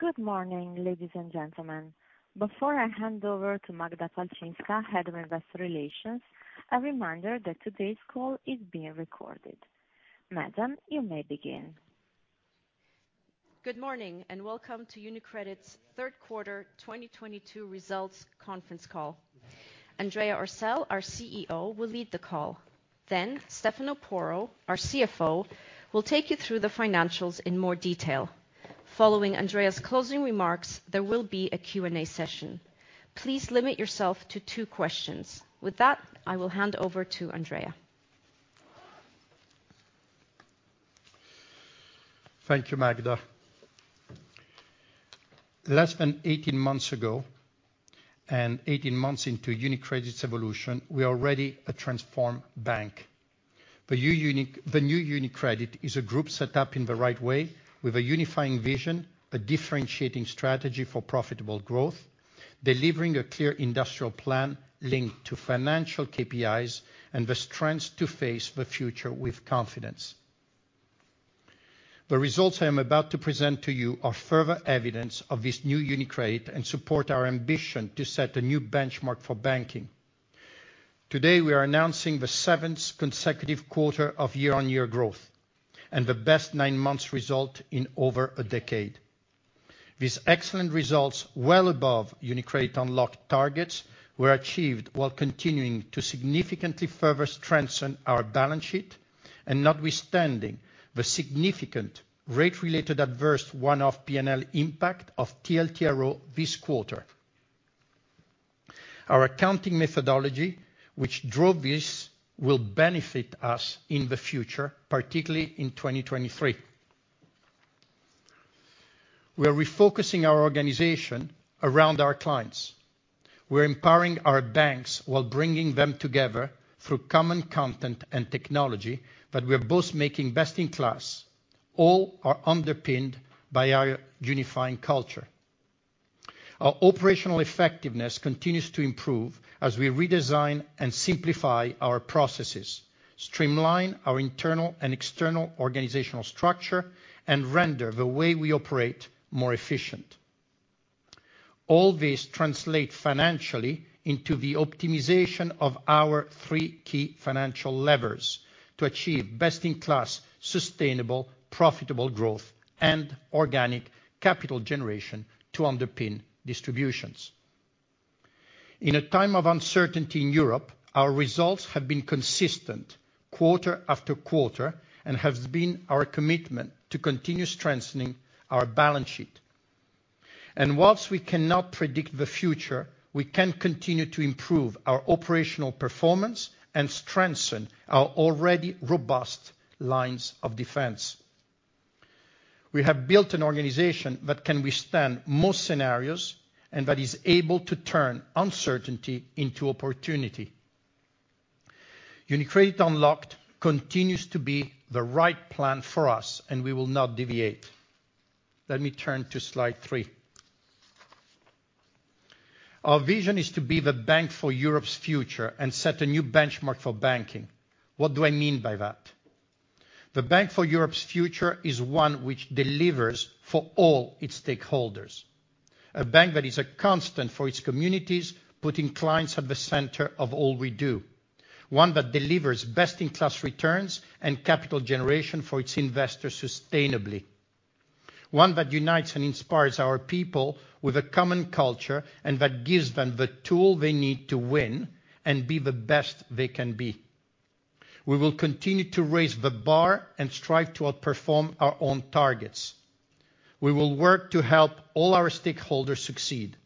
Good morning, ladies and gentlemen. Before I hand over to Magda Palczynska, Head of Investor Relations, a reminder that today's call is being recorded. Magda, you may begin. Good morning, and welcome to UniCredit's Third Quarter 2022 Results Conference Call. Andrea Orcel, our CEO, will lead the call. Then Stefano Porro our CFO, will take you through the financials in more detail. Following Andrea's closing remarks, there will be a Q&A session. Please limit yourself to two questions. With that, I will hand over to Andrea. Thank you, Magda. Less than 18 months ago, and 18 months into UniCredit's evolution, we are already a transformed bank. The new UniCredit is a group set up in the right way with a unifying vision, a differentiating strategy for profitable growth, delivering a clear industrial plan linked to financial KPIs and the strengths to face the future with confidence. The results I am about to present to you are further evidence of this new UniCredit and support our ambition to set a new benchmark for banking. Today, we are announcing the seventh consecutive quarter of year-on-year growth and the best nine months result in over a decade. These excellent results, well above UniCredit Unlocked targets, were achieved while continuing to significantly further strengthen our balance sheet and notwithstanding the significant rate-related adverse one-off P&L impact of TLTRO this quarter. Our accounting methodology, which drove this, will benefit us in the future, particularly in 2023. We are refocusing our organization around our clients. We're empowering our banks while bringing them together through common content and technology that we're both making best in class, all are underpinned by our unifying culture. Our operational effectiveness continues to improve as we redesign and simplify our processes, streamline our internal and external organizational structure, and render the way we operate more efficient. All this translates financially into the optimization of our three key financial levers to achieve best in class, sustainable, profitable growth and organic capital generation to underpin distributions. In a time of uncertainty in Europe, our results have been consistent quarter after quarter and has been our commitment to continue strengthening our balance sheet. While we cannot predict the future, we can continue to improve our operational performance and strengthen our already robust lines of defense. We have built an organization that can withstand most scenarios and that is able to turn uncertainty into opportunity. UniCredit Unlocked continues to be the right plan for us, and we will not deviate. Let me turn to slide three. Our vision is to be the bank for Europe's future and set a new benchmark for banking. What do I mean by that? The Bank for Europe's future is one which delivers for all its stakeholders. A bank that is a constant for its communities, putting clients at the center of all we do. One that delivers best in class returns and capital generation for its investors sustainably. One that unites and inspires our people with a common culture and that gives them the tool they need to win and be the best they can be. We will continue to raise the bar and strive to outperform our own targets. We will work to help all our stakeholders succeed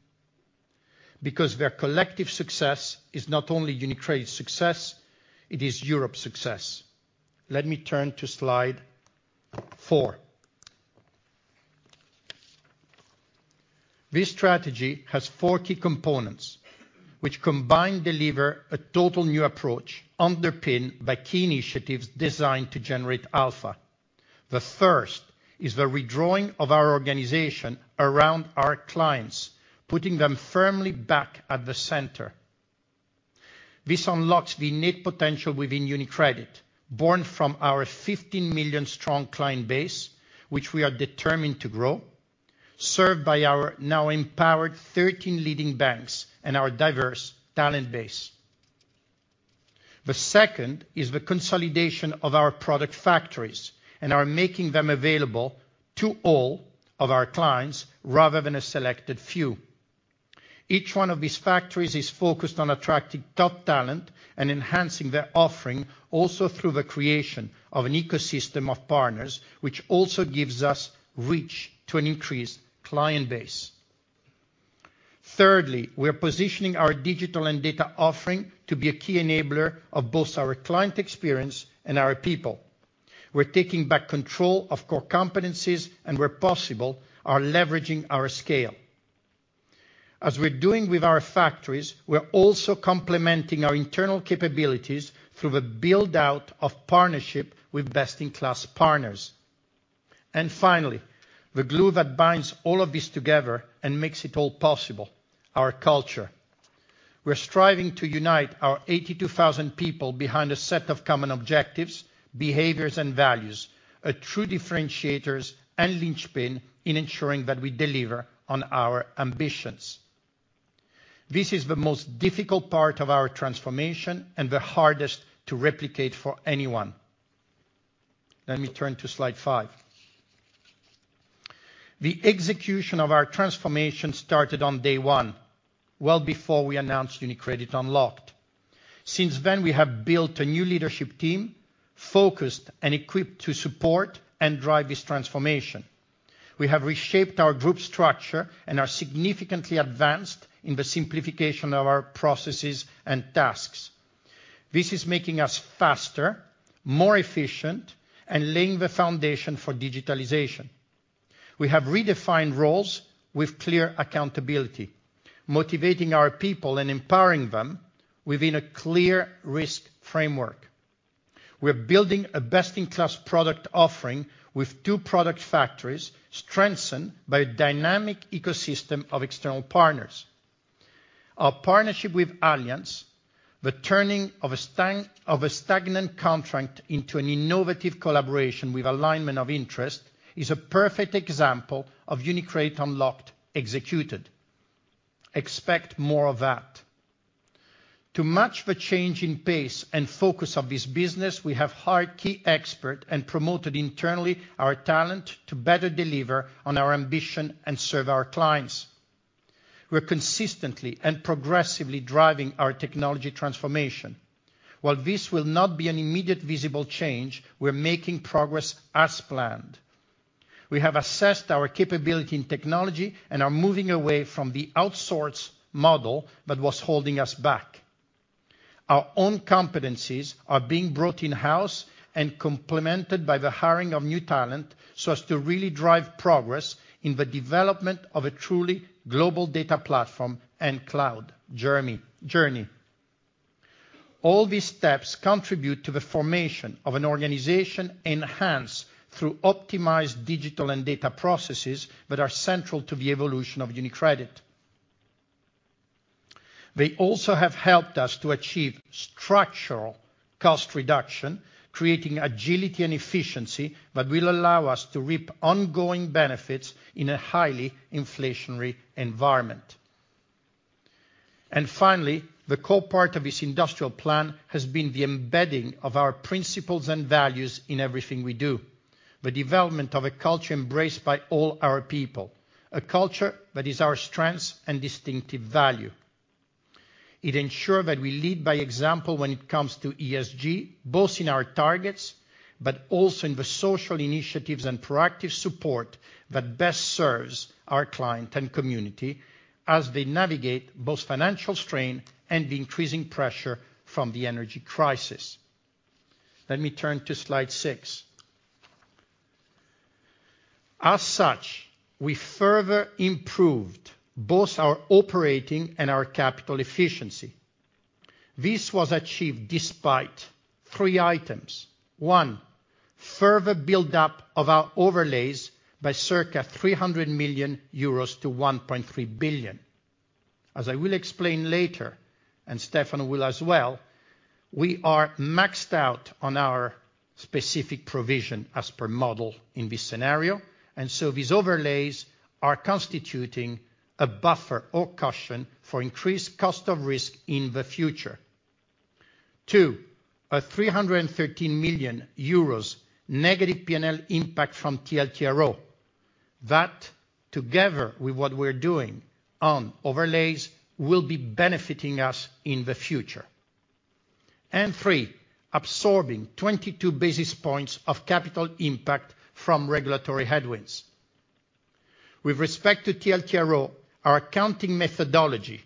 because their collective success is not only UniCredit's success, it is Europe's success. Let me turn to slide four. This strategy has four key components which combined deliver a totally new approach underpinned by key initiatives designed to generate alpha. The first is the redrawing of our organization around our clients, putting them firmly back at the center. This unlocks the innate potential within UniCredit, born from our 15 million-strong client base, which we are determined to grow, served by our now empowered 13 leading banks and our diverse talent base. The second is the consolidation of our product factories and we're making them available to all of our clients rather than a selected few. Each one of these factories is focused on attracting top talent and enhancing their offering also through the creation of an ecosystem of partners, which also gives us reach to an increased client base. Thirdly, we are positioning our digital and data offering to be a key enabler of both our client experience and our people. We're taking back control of core competencies, and where possible, we're leveraging our scale. As we're doing with our factories, we're also complementing our internal capabilities through the build-out of partnership with best-in-class partners. Finally, the glue that binds all of this together and makes it all possible, our culture. We're striving to unite our 82,000 people behind a set of common objectives, behaviors, and values, a true differentiators and linchpin in ensuring that we deliver on our ambitions. This is the most difficult part of our transformation and the hardest to replicate for anyone. Let me turn to slide five. The execution of our transformation started on day one, well before we announced UniCredit Unlocked. Since then, we have built a new leadership team focused and equipped to support and drive this transformation. We have reshaped our group structure and are significantly advanced in the simplification of our processes and tasks. This is making us faster, more efficient, and laying the foundation for digitalization. We have redefined roles with clear accountability, motivating our people and empowering them within a clear risk framework. We're building a best-in-class product offering with two product factories strengthened by a dynamic ecosystem of external partners. Our partnership with Allianz, the turning of a stagnant contract into an innovative collaboration with alignment of interest, is a perfect example of UniCredit Unlocked executed. Expect more of that. To match the change in pace and focus of this business, we have hired key expert and promoted internally our talent to better deliver on our ambition and serve our clients. We're consistently and progressively driving our technology transformation. While this will not be an immediate visible change, we're making progress as planned. We have assessed our capability in technology and are moving away from the outsource model that was holding us back. Our own competencies are being brought in-house and complemented by the hiring of new talent, so as to really drive progress in the development of a truly global data platform and cloud journey. All these steps contribute to the formation of an organization enhanced through optimized digital and data processes that are central to the evolution of UniCredit. They also have helped us to achieve structural cost reduction, creating agility and efficiency that will allow us to reap ongoing benefits in a highly inflationary environment. Finally, the core part of this industrial plan has been the embedding of our principles and values in everything we do, the development of a culture embraced by all our people, a culture that is our strength and distinctive value. It ensures that we lead by example when it comes to ESG, both in our targets, but also in the social initiatives and proactive support that best serves our client and community as they navigate both financial strain and the increasing pressure from the energy crisis. Let me turn to slide six. As such, we further improved both our operating and our capital efficiency. This was achieved despite three items. one, further buildup of our overlays by circa 300 million euros to 1.3 billion. As I will explain later, and Stefano will as well, we are maxed out on our specific provision as per model in this scenario, and so these overlays are constituting a buffer or cushion for increased cost of risk in the future. Two, a 313 million euros negative P&L impact from TLTRO that together with what we're doing on overlays will be benefiting us in the future. Three, absorbing 22 basis points of capital impact from regulatory headwinds. With respect to TLTRO, our accounting methodology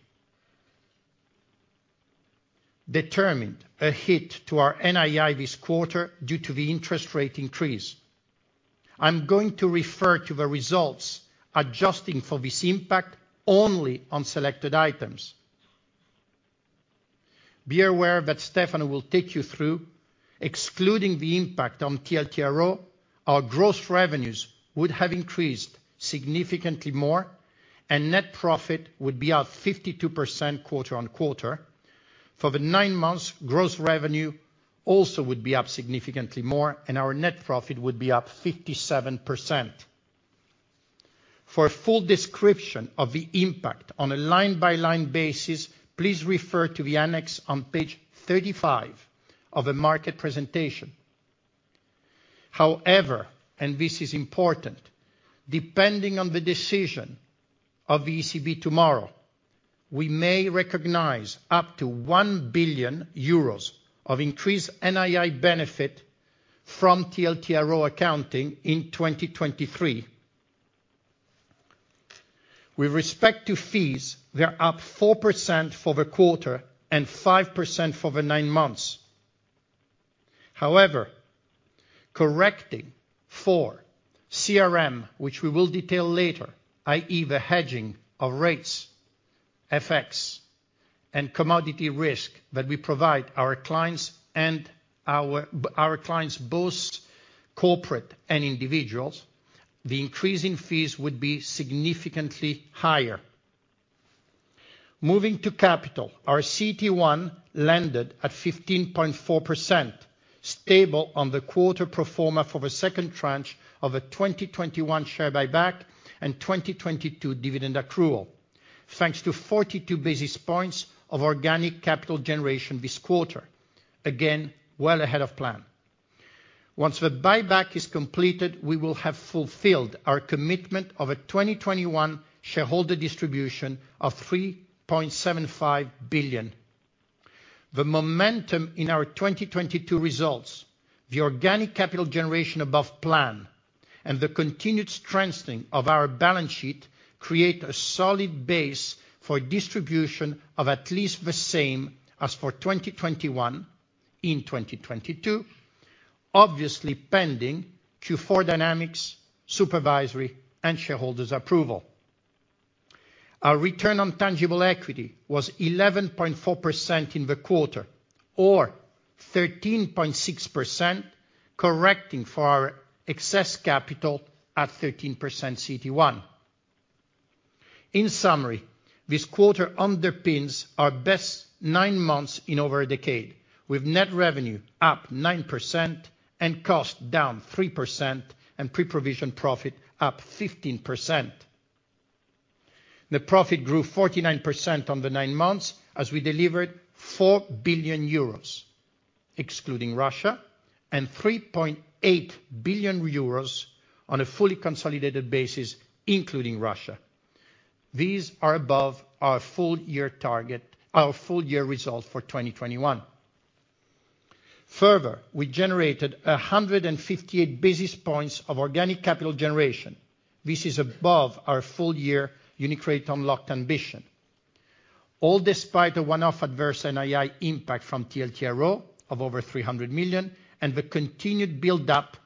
determined a hit to our NII this quarter due to the interest rate increase. I'm going to refer to the results adjusting for this impact only on selected items. Be aware that Stefano will take you through excluding the impact on TLTRO, our gross revenues would have increased significantly more, and net profit would be up 52% quarter-on-quarter. For the ninemonths, gross revenue also would be up significantly more, and our net profit would be up 57%. For a full description of the impact on a line-by-line basis, please refer to the annex on page 35 of the market presentation. However, and this is important, depending on the decision of the ECB tomorrow, we may recognize up to 1 billion euros of increased NII benefit from TLTRO accounting in 2023. With respect to fees, they're up 4% for the quarter and 5% for the nine months. However, correcting for CRM, which we will detail later, i.e. the hedging of rates, FX, and commodity risk that we provide our clients both corporate and individuals, the increase in fees would be significantly higher. Moving to capital, our CET1 landed at 15.4%, stable on the quarter pro forma for the second tranche of a 2021 share buyback and 2022 dividend accrual. Thanks to 42 basis points of organic capital generation this quarter. Again, well ahead of plan. Once the buyback is completed, we will have fulfilled our commitment of a 2021 shareholder distribution of 3.75 billion. The momentum in our 2022 results, the organic capital generation above plan, and the continued strengthening of our balance sheet create a solid base for distribution of at least the same as for 2021 in 2022, obviously pending Q4 dynamics, supervisory, and shareholders approval. Our return on tangible equity was 11.4% in the quarter or 13.6% correcting for our excess capital at 13% CET1. In summary, this quarter underpins our best nine months in over a decade, with net revenue up 9% and cost down 3% and pre-provision profit up 15%. The profit grew 49% on the nine months as we delivered 4 billion euros, excluding Russia, and 3.8 billion euros on a fully consolidated basis, including Russia. These are above our full year target, our full year results for 2021. Further, we generated 158 basis points of organic capital generation. This is above our full year UniCredit Unlocked ambition. All despite the one-off adverse NII impact from TLTRO of over 300 million and the continued build up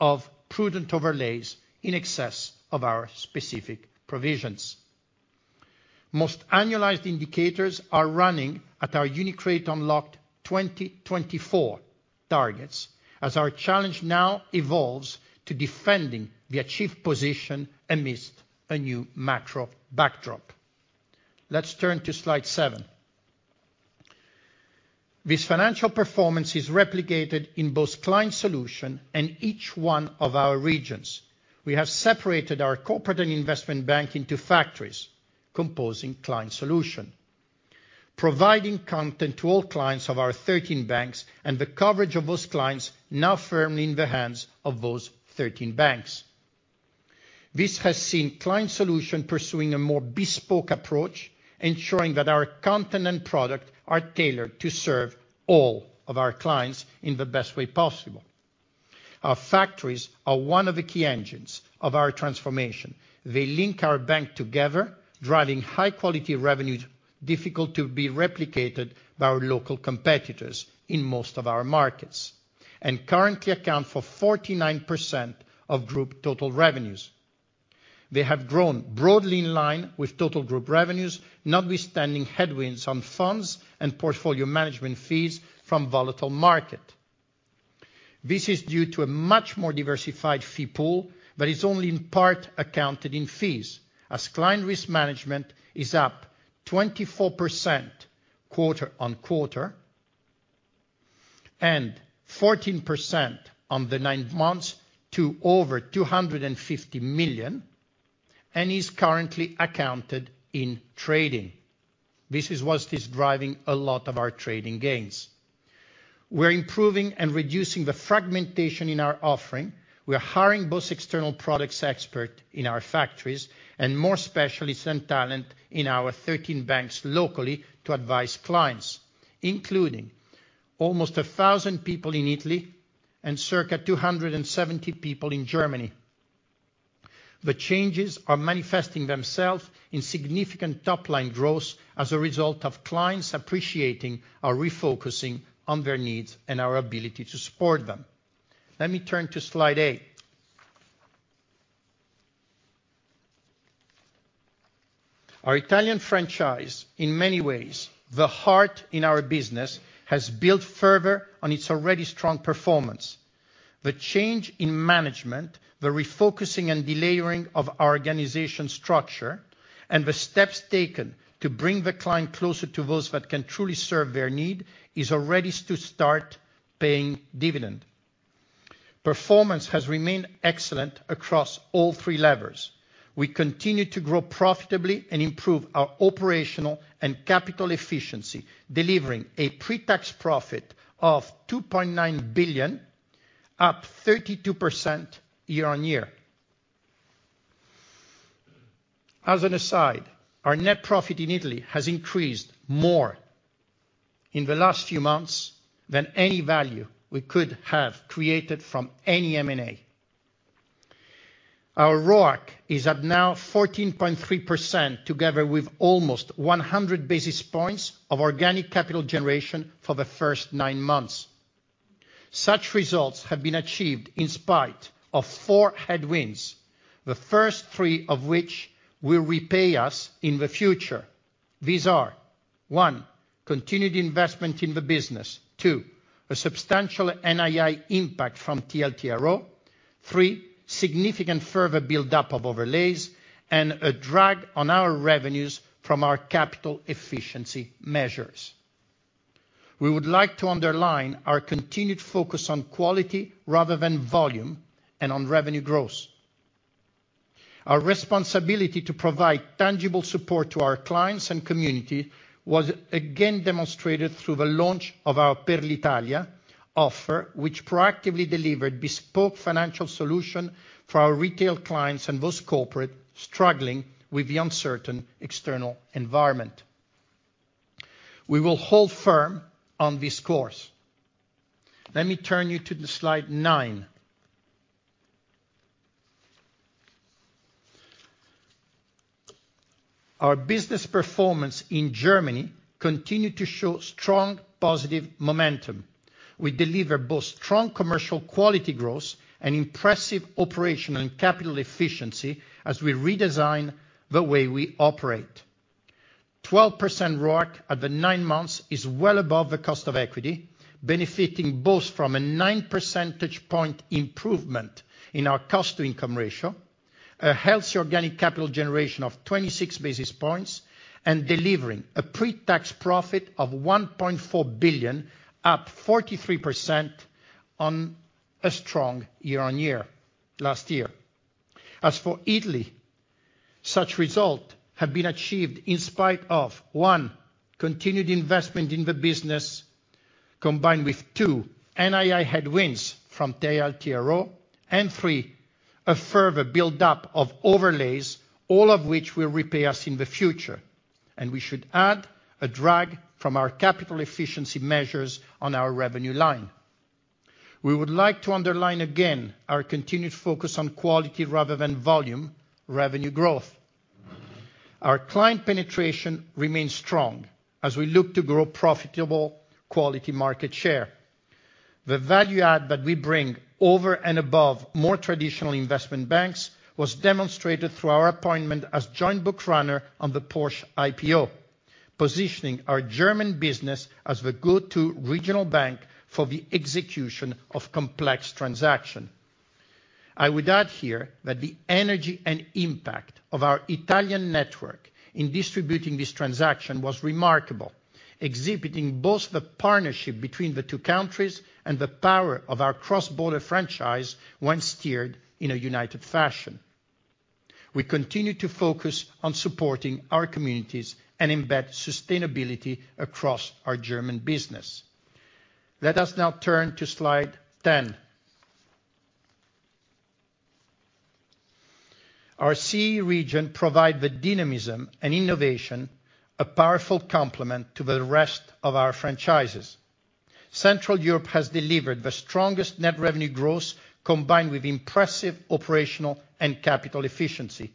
of prudent overlays in excess of our specific provisions. Most annualized indicators are running at our UniCredit Unlocked 2024 targets as our challenge now evolves to defending the achieved position amidst a new macro backdrop. Let's turn to slide seven. This financial performance is replicated in both client solution and each one of our regions. We have separated our corporate and investment bank into factories composing client solution, providing content to all clients of our 13 banks and the coverage of those clients now firmly in the hands of those 13 banks. This has seen client solution pursuing a more bespoke approach, ensuring that our content and product are tailored to serve all of our clients in the best way possible. Our factories are one of the key engines of our transformation. They link our bank together, driving high quality revenues difficult to be replicated by our local competitors in most of our markets, and currently account for 49% of group total revenues. They have grown broadly in line with total group revenues, notwithstanding headwinds on funds and portfolio management fees from volatile market. This is due to a much more diversified fee pool that is only in part accounted in fees, as client risk management is up 24% quarter-on-quarter and 14% on the nine months to over 250 million, and is currently accounted in trading. This is what is driving a lot of our trading gains. We're improving and reducing the fragmentation in our offering. We are hiring both external products expert in our factories and more specialists and talent in our 13 banks locally to advise clients, including almost 1,000 people in Italy and circa 270 people in Germany. The changes are manifesting themselves in significant top-line growth as a result of clients appreciating our refocusing on their needs and our ability to support them. Let me turn to slide eight. Our Italian franchise, in many ways, the heart of our business, has built further on its already strong performance. The change in management, the refocusing and delayering of our organizational structure, and the steps taken to bring the client closer to those that can truly serve their needs are all ready to start paying dividends. Performance has remained excellent across all three levers. We continue to grow profitably and improve our operational and capital efficiency, delivering a pre-tax profit of 2.9 billion, up 32% year-on-year. As an aside, our net profit in Italy has increased more in the last few months than any value we could have created from any M&A. Our ROIC is up now 14.3% together with almost 100 basis points of organic capital generation for the first nine months. Such results have been achieved in spite of four headwinds. The first three of which will repay us in the future. These are, one, continued investment in the business. two, a substantial NII impact from TLTRO. three, significant further buildup of overlays, and a drag on our revenues from our capital efficiency measures. We would like to underline our continued focus on quality rather than volume and on revenue growth. Our responsibility to provide tangible support to our clients and community was again demonstrated through the launch of our Per l'Italia offer, which proactively delivered bespoke financial solution for our retail clients and those corporate struggling with the uncertain external environment. We will hold firm on this course. Let me turn you to the slide nine. Our business performance in Germany continued to show strong positive momentum. We deliver both strong commercial quality growth and impressive operational and capital efficiency as we redesign the way we operate. 12% ROIC at the nine months is well above the cost of equity, benefiting both from a nine percentage point improvement in our cost-to-income ratio, a healthy organic capital generation of 26 basis points, and delivering a pre-tax profit of 1.4 billion, up 43% on a strong year-on-year last year. As for Italy, such results have been achieved in spite of, one, continued investment in the business, combined with, two, NII headwinds from TLTRO, and three, a further buildup of overlays, all of which will repay us in the future. We should add a drag from our capital efficiency measures on our revenue line. We would like to underline again our continued focus on quality rather than volume revenue growth. Our client penetration remains strong as we look to grow profitable quality market share. The value add that we bring over and above more traditional investment banks was demonstrated through our appointment as joint book runner on the Porsche IPO, positioning our German business as the go-to regional bank for the execution of complex transaction. I would add here that the energy and impact of our Italian network in distributing this transaction was remarkable, exhibiting both the partnership between the two countries and the power of our cross-border franchise when steered in a united fashion. We continue to focus on supporting our communities and embed sustainability across our German business. Let us now turn to slide 10. Our CE region provide the dynamism and innovation, a powerful complement to the rest of our franchises. Central Europe has delivered the strongest net revenue growth, combined with impressive operational and capital efficiency.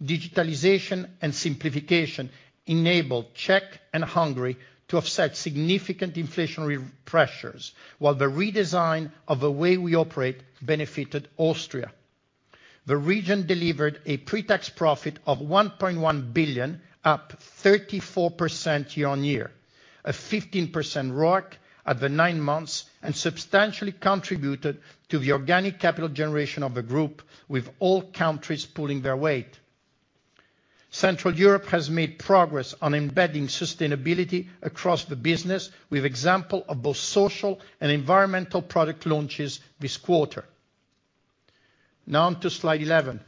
Digitalization and simplification enabled Czech and Hungary to offset significant inflationary pressures, while the redesign of the way we operate benefited Austria. The region delivered a pre-tax profit of 1.1 billion, up 34% year-on-year, a 15% ROIC at the nine months, and substantially contributed to the organic capital generation of the group with all countries pulling their weight. Central Europe has made progress on embedding sustainability across the business with example of both social and environmental product launches this quarter. Now on to slide 11.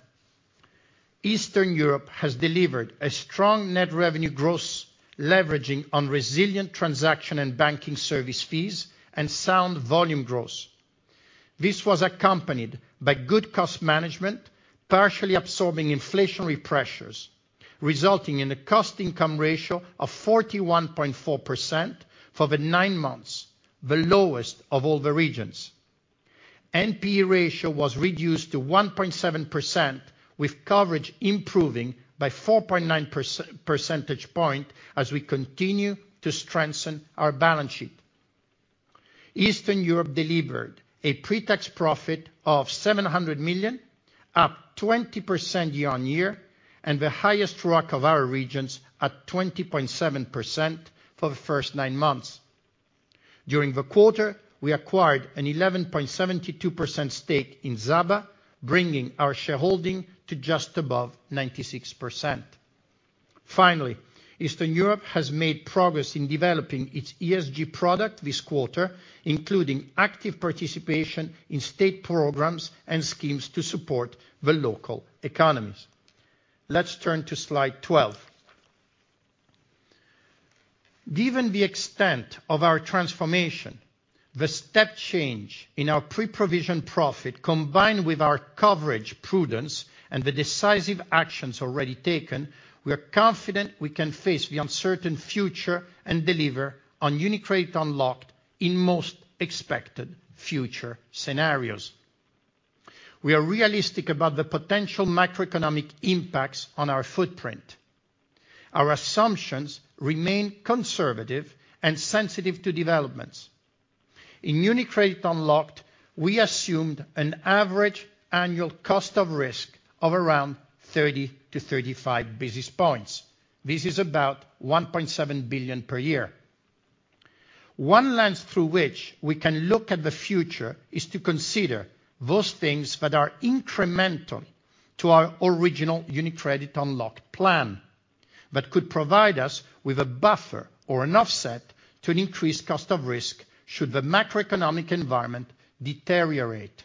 Eastern Europe has delivered a strong net revenue growth, leveraging on resilient transaction and banking service fees and sound volume growth. This was accompanied by good cost management, partially absorbing inflationary pressures, resulting in a cost-income ratio of 41.4% for the 9 months, the lowest of all the regions. NPE ratio was reduced to 1.7% with coverage improving by 4.9 percentage points as we continue to strengthen our balance sheet. Eastern Europe delivered a pre-tax profit of 700 million, up 20% year-on-year, and the highest ROIC of our regions at 20.7% for the first nine months. During the quarter, we acquired an 11.72% stake in ZABA, bringing our shareholding to just above 96%. Eastern Europe has made progress in developing its ESG product this quarter, including active participation in state programs and schemes to support the local economies. Let's turn to slide 12. Given the extent of our transformation, the step change in our pre-provision profit, combined with our coverage prudence and the decisive actions already taken, we are confident we can face the uncertain future and deliver on UniCredit Unlocked in most expected future scenarios. We are realistic about the potential macroeconomic impacts on our footprint. Our assumptions remain conservative and sensitive to developments. In UniCredit Unlocked, we assumed an average annual cost of risk of around 30-35 basis points. This is about 1.7 billion per year. One lens through which we can look at the future is to consider those things that are incremental to our original UniCredit Unlocked plan that could provide us with a buffer or an offset to an increased cost of risk should the macroeconomic environment deteriorate.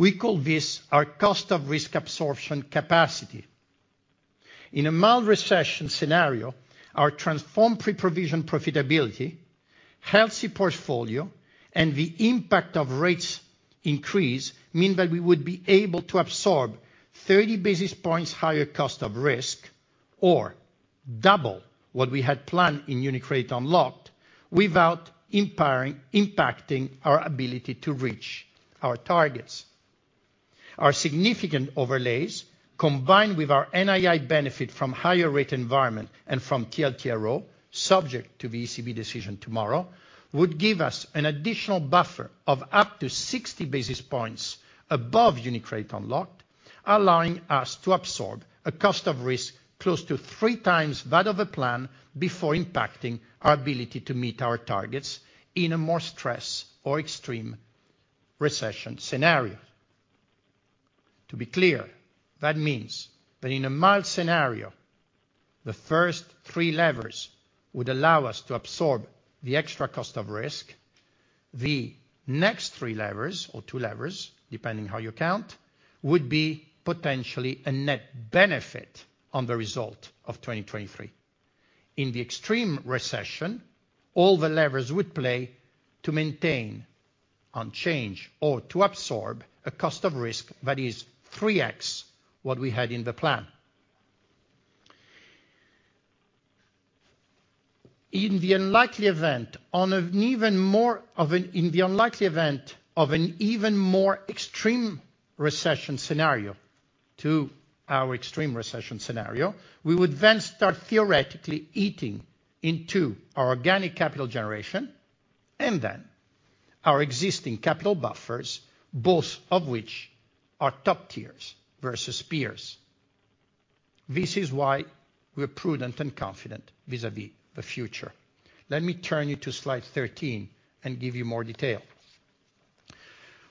We call this our cost of risk absorption capacity. In a mild recession scenario, our transformed pre-provision profitability, healthy portfolio, and the impact of rates increase mean that we would be able to absorb 30 basis points higher cost of risk or double what we had planned in UniCredit Unlocked without impacting our ability to reach our targets. Our significant overlays, combined with our NII benefit from higher rate environment and from TLTRO, subject to the ECB decision tomorrow, would give us an additional buffer of up to 60 basis points above UniCredit Unlocked, allowing us to absorb a cost of risk close to three times that of the plan before impacting our ability to meet our targets in a more stressed or extreme recession scenario. To be clear, that means that in a mild scenario, the first three levers would allow us to absorb the extra cost of risk. The next three levers or two levers, depending how you count, would be potentially a net benefit on the result of 2023. In the extreme recession, all the levers would play to maintain unchanged or to absorb a cost of risk that is 3x what we had in the plan. In the unlikely event of an even more extreme recession scenario to our extreme recession scenario, we would then start theoretically eating into our organic capital generation and then our existing capital buffers, both of which are top tiers versus peers. This is why we're prudent and confident vis-à-vis the future. Let me turn you to slide 13 and give you more detail.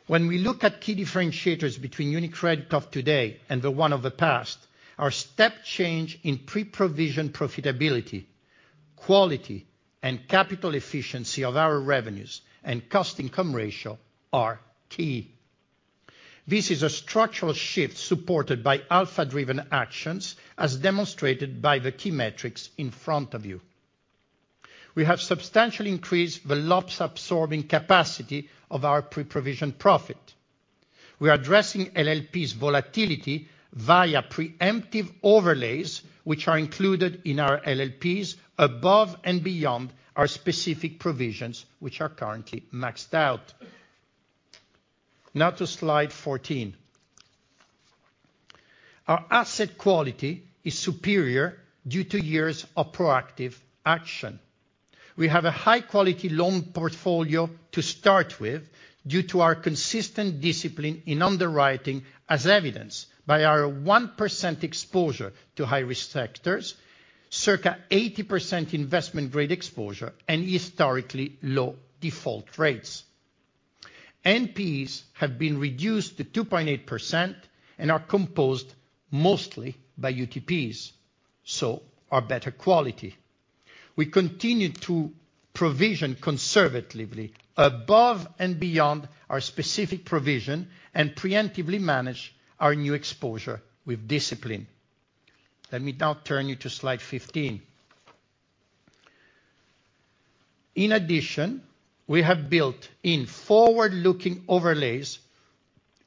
When we look at key differentiators between UniCredit of today and the one of the past, our step change in pre-provision profitability, quality, and capital efficiency of our revenues and cost income ratio are key. This is a structural shift supported by alpha-driven actions, as demonstrated by the key metrics in front of you. We have substantially increased the loss-absorbing capacity of our pre-provision profit. We are addressing LLP's volatility via preemptive overlays, which are included in our LLPs above and beyond our specific provisions, which are currently maxed out. Now to slide 14. Our asset quality is superior due to years of proactive action. We have a high-quality loan portfolio to start with due to our consistent discipline in underwriting, as evidenced by our 1% exposure to high-risk sectors, circa 80% investment-grade exposure, and historically low default rates. NPEs have been reduced to 2.8% and are composed mostly by UTPs, so are better quality. We continue to provision conservatively above and beyond our specific provision and preemptively manage our new exposure with discipline. Let me now turn you to slide 15. In addition, we have built in forward-looking overlays,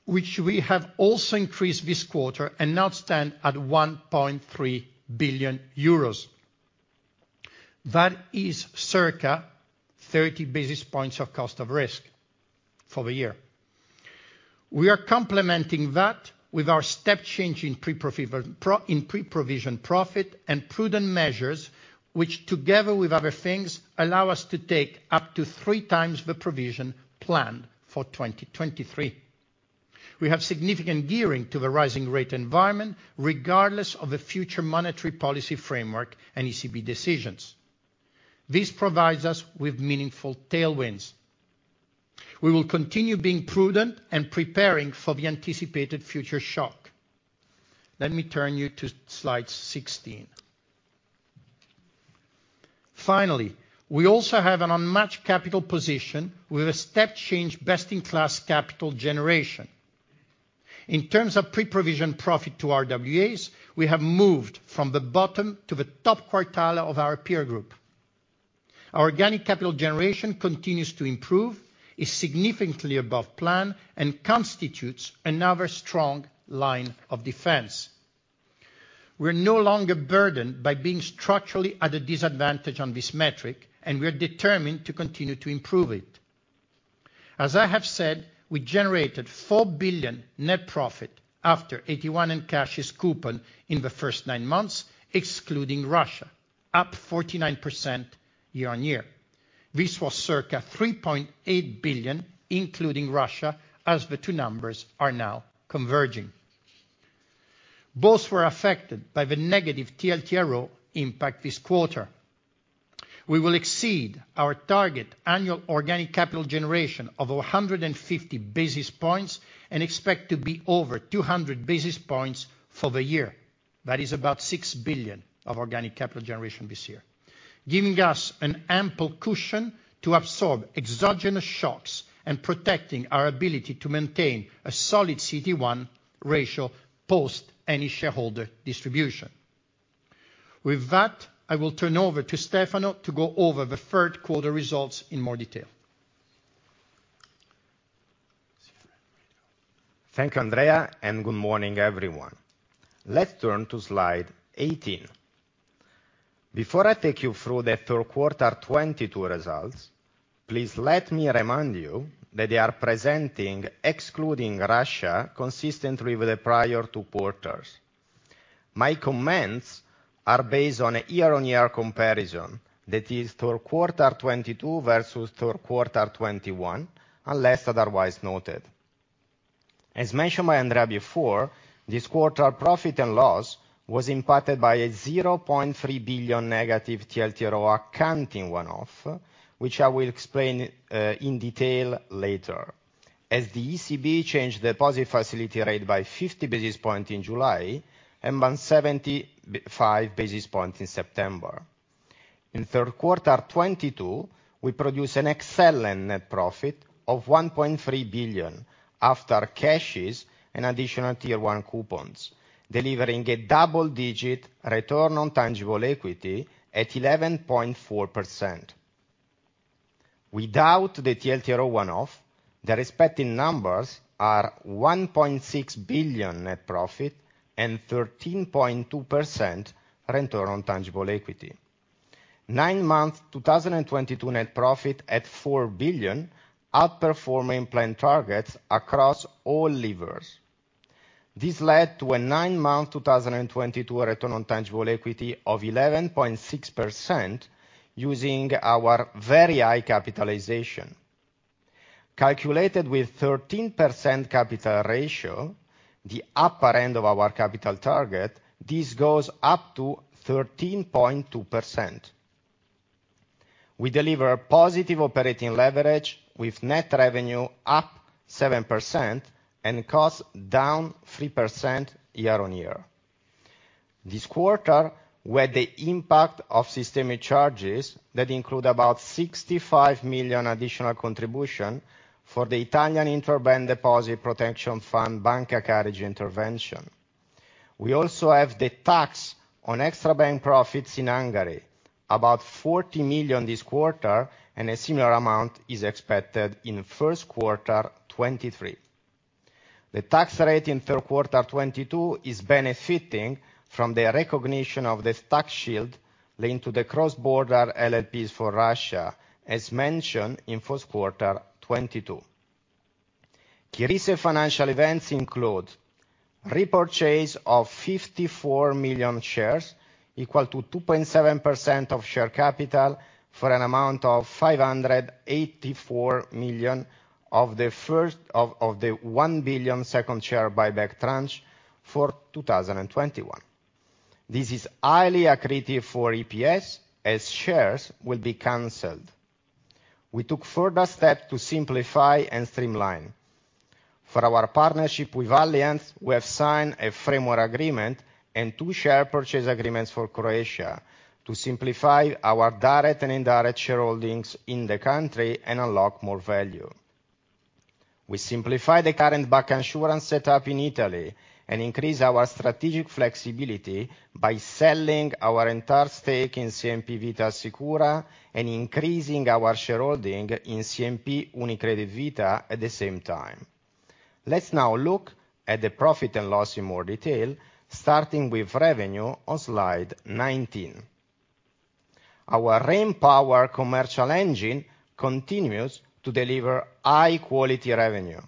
which we have also increased this quarter and now stand at 1.3 billion euros. That is circa 30 basis points of cost of risk for the year. We are complementing that with our step change in pre-provision profit and prudent measures, which together with other things, allow us to take up to 3x the provision planned for 2023. We have significant gearing to the rising rate environment regardless of the future monetary policy framework and ECB decisions. This provides us with meaningful tailwinds. We will continue being prudent and preparing for the anticipated future shock. Let me turn you to slide 16. Finally, we also have an unmatched capital position with a step change best-in-class capital generation. In terms of pre-provision profit to RWAs, we have moved from the bottom to the top quartile of our peer group. Our organic capital generation continues to improve, is significantly above plan, and constitutes another strong line of defense. We're no longer burdened by being structurally at a disadvantage on this metric, and we are determined to continue to improve it. I have said, we generated 4 billion net profit after 81 in CASHES coupon in the first nine months, excluding Russia, up 49% year-on-year. This was circa 3.8 billion, including Russia, as the two numbers are now converging. Both were affected by the negative TLTRO impact this quarter. We will exceed our target annual organic capital generation of 150 basis points, and expect to be over 200 basis points for the year. That is about 6 billion of organic capital generation this year, giving us an ample cushion to absorb exogenous shocks and protecting our ability to maintain a solid CET1 ratio post any shareholder distribution. With that, I will turn over to Stefano to go over the third quarter results in more detail. Thank you, Andrea, and good morning, everyone. Let's turn to slide 18. Before I take you through the third quarter 2022 results, please let me remind you that they are presenting excluding Russia consistently with the prior two quarters. My comments are based on a year-on-year comparison. That is third quarter 2022 versus third quarter 2021, unless otherwise noted. As mentioned by Andrea before, this quarter profit and loss was impacted by a 0.3 billion negative TLTRO accounting one-off, which I will explain in detail later. As the ECB changed the deposit facility rate by 50 basis points in July, and by 75 basis points in September. In third quarter 2022, we produced an excellent net profit of 1.3 billion after CASHES and Additional Tier 1 coupons, delivering a double digit return on tangible equity at 11.4%. Without the TLTRO one-off, the respective numbers are 1.6 billion net profit and 13.2% return on tangible equity. nine-month 2022 net profit at 4 billion, outperforming planned targets across all levers. This led to a nine-month 2022 return on tangible equity of 11.6% using our very high capitalization. Calculated with 13% capital ratio, the upper end of our capital target, this goes up to 13.2%. We deliver positive operating leverage with net revenue up 7% and cost down 3% year-on-year. This quarter, with the impact of systemic charges that include about 65 million additional contribution for the Italian Interbank Deposit Protection Fund, Banca Carige intervention. We also have the tax on extra bank profits in Hungary, about 40 million this quarter, and a similar amount is expected in first quarter 2023. The tax rate in third quarter 2022 is benefiting from the recognition of this tax shield linked to the cross-border LLPs for Russia, as mentioned in first quarter 2022. Key recent financial events include repurchase of 54 million shares equal to 2.7% of share capital for an amount of 584 million of the 1 billion second share buyback tranche for 2021. This is highly accretive for EPS as shares will be canceled. We took further steps to simplify and streamline. For our partnership with Allianz, we have signed a framework agreement and two share purchase agreements for Croatia to simplify our direct and indirect shareholdings in the country and unlock more value. We simplify the current bank insurance set up in Italy and increase our strategic flexibility by selling our entire stake in CNP Vita Assicura and increasing our shareholding in CNP UniCredit Vita at the same time. Let's now look at the profit and loss in more detail, starting with revenue on slide 19. Our RAM power commercial engine continues to deliver high quality revenue.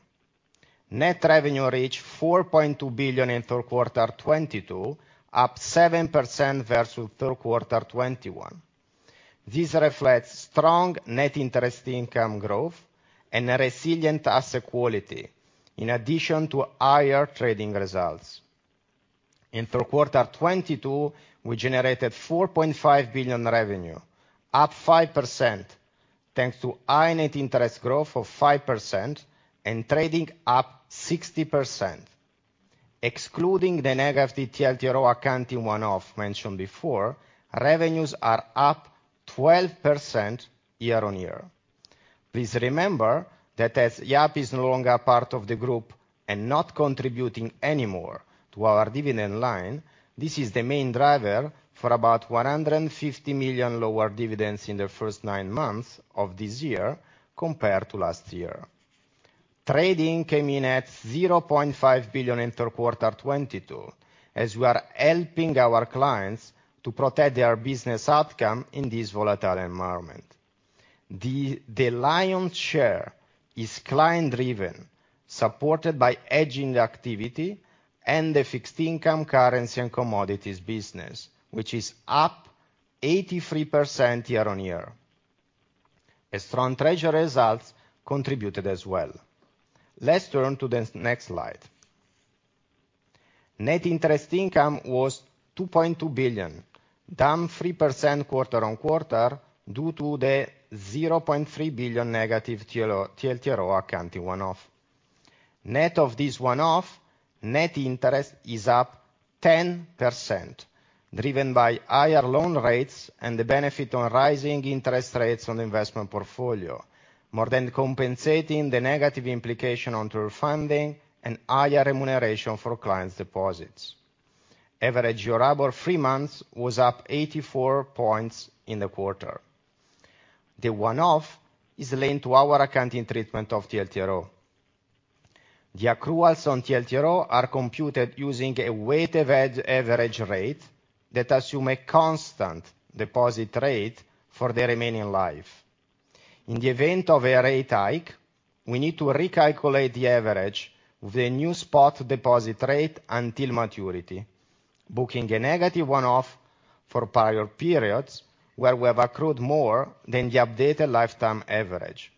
Net revenue reached 4.2 billion in third quarter 2022, up 7% versus third quarter 2021. This reflects strong net interest income growth and a resilient asset quality in addition to higher trading results. In third quarter 2022, we generated 4.5 billion revenue, up 5%, thanks to high net interest growth of 5% and trading up 60%. Excluding the negative TLTRO accounting one-off mentioned before, revenues are up 12% year-on-year. Please remember that as Yapı Kredi is no longer part of the group and not contributing anymore to our dividend line, this is the main driver for about 150 million lower dividends in the first nine months of this year compared to last year. Trading came in at 0.5 billion in 4Q 2022, as we are helping our clients to protect their business outcome in this volatile environment. The lion's share is client-driven, supported by hedging activity and the fixed income currency and commodities business, which is up 83% year-on-year. A strong treasury results contributed as well. Let's turn to the next slide. Net interest income was 2.2 billion, down 3% quarter-on-quarter, due to the 0.3 billion negative TLTRO accounting one-off. Net of this one-off, net interest is up 10%, driven by higher loan rates and the benefit on rising interest rates on the investment portfolio, more than compensating the negative implication onto our funding and higher remuneration for clients deposits. Average Euribor three months was up 84 points in the quarter. The one-off is linked to our accounting treatment of TLTRO. The accruals on TLTRO are computed using a weighted average rate that assume a constant deposit rate for the remaining life. In the event of a rate hike, we need to recalculate the average with a new spot deposit rate until maturity, booking a negative one-off for prior periods where we have accrued more than the updated lifetime average.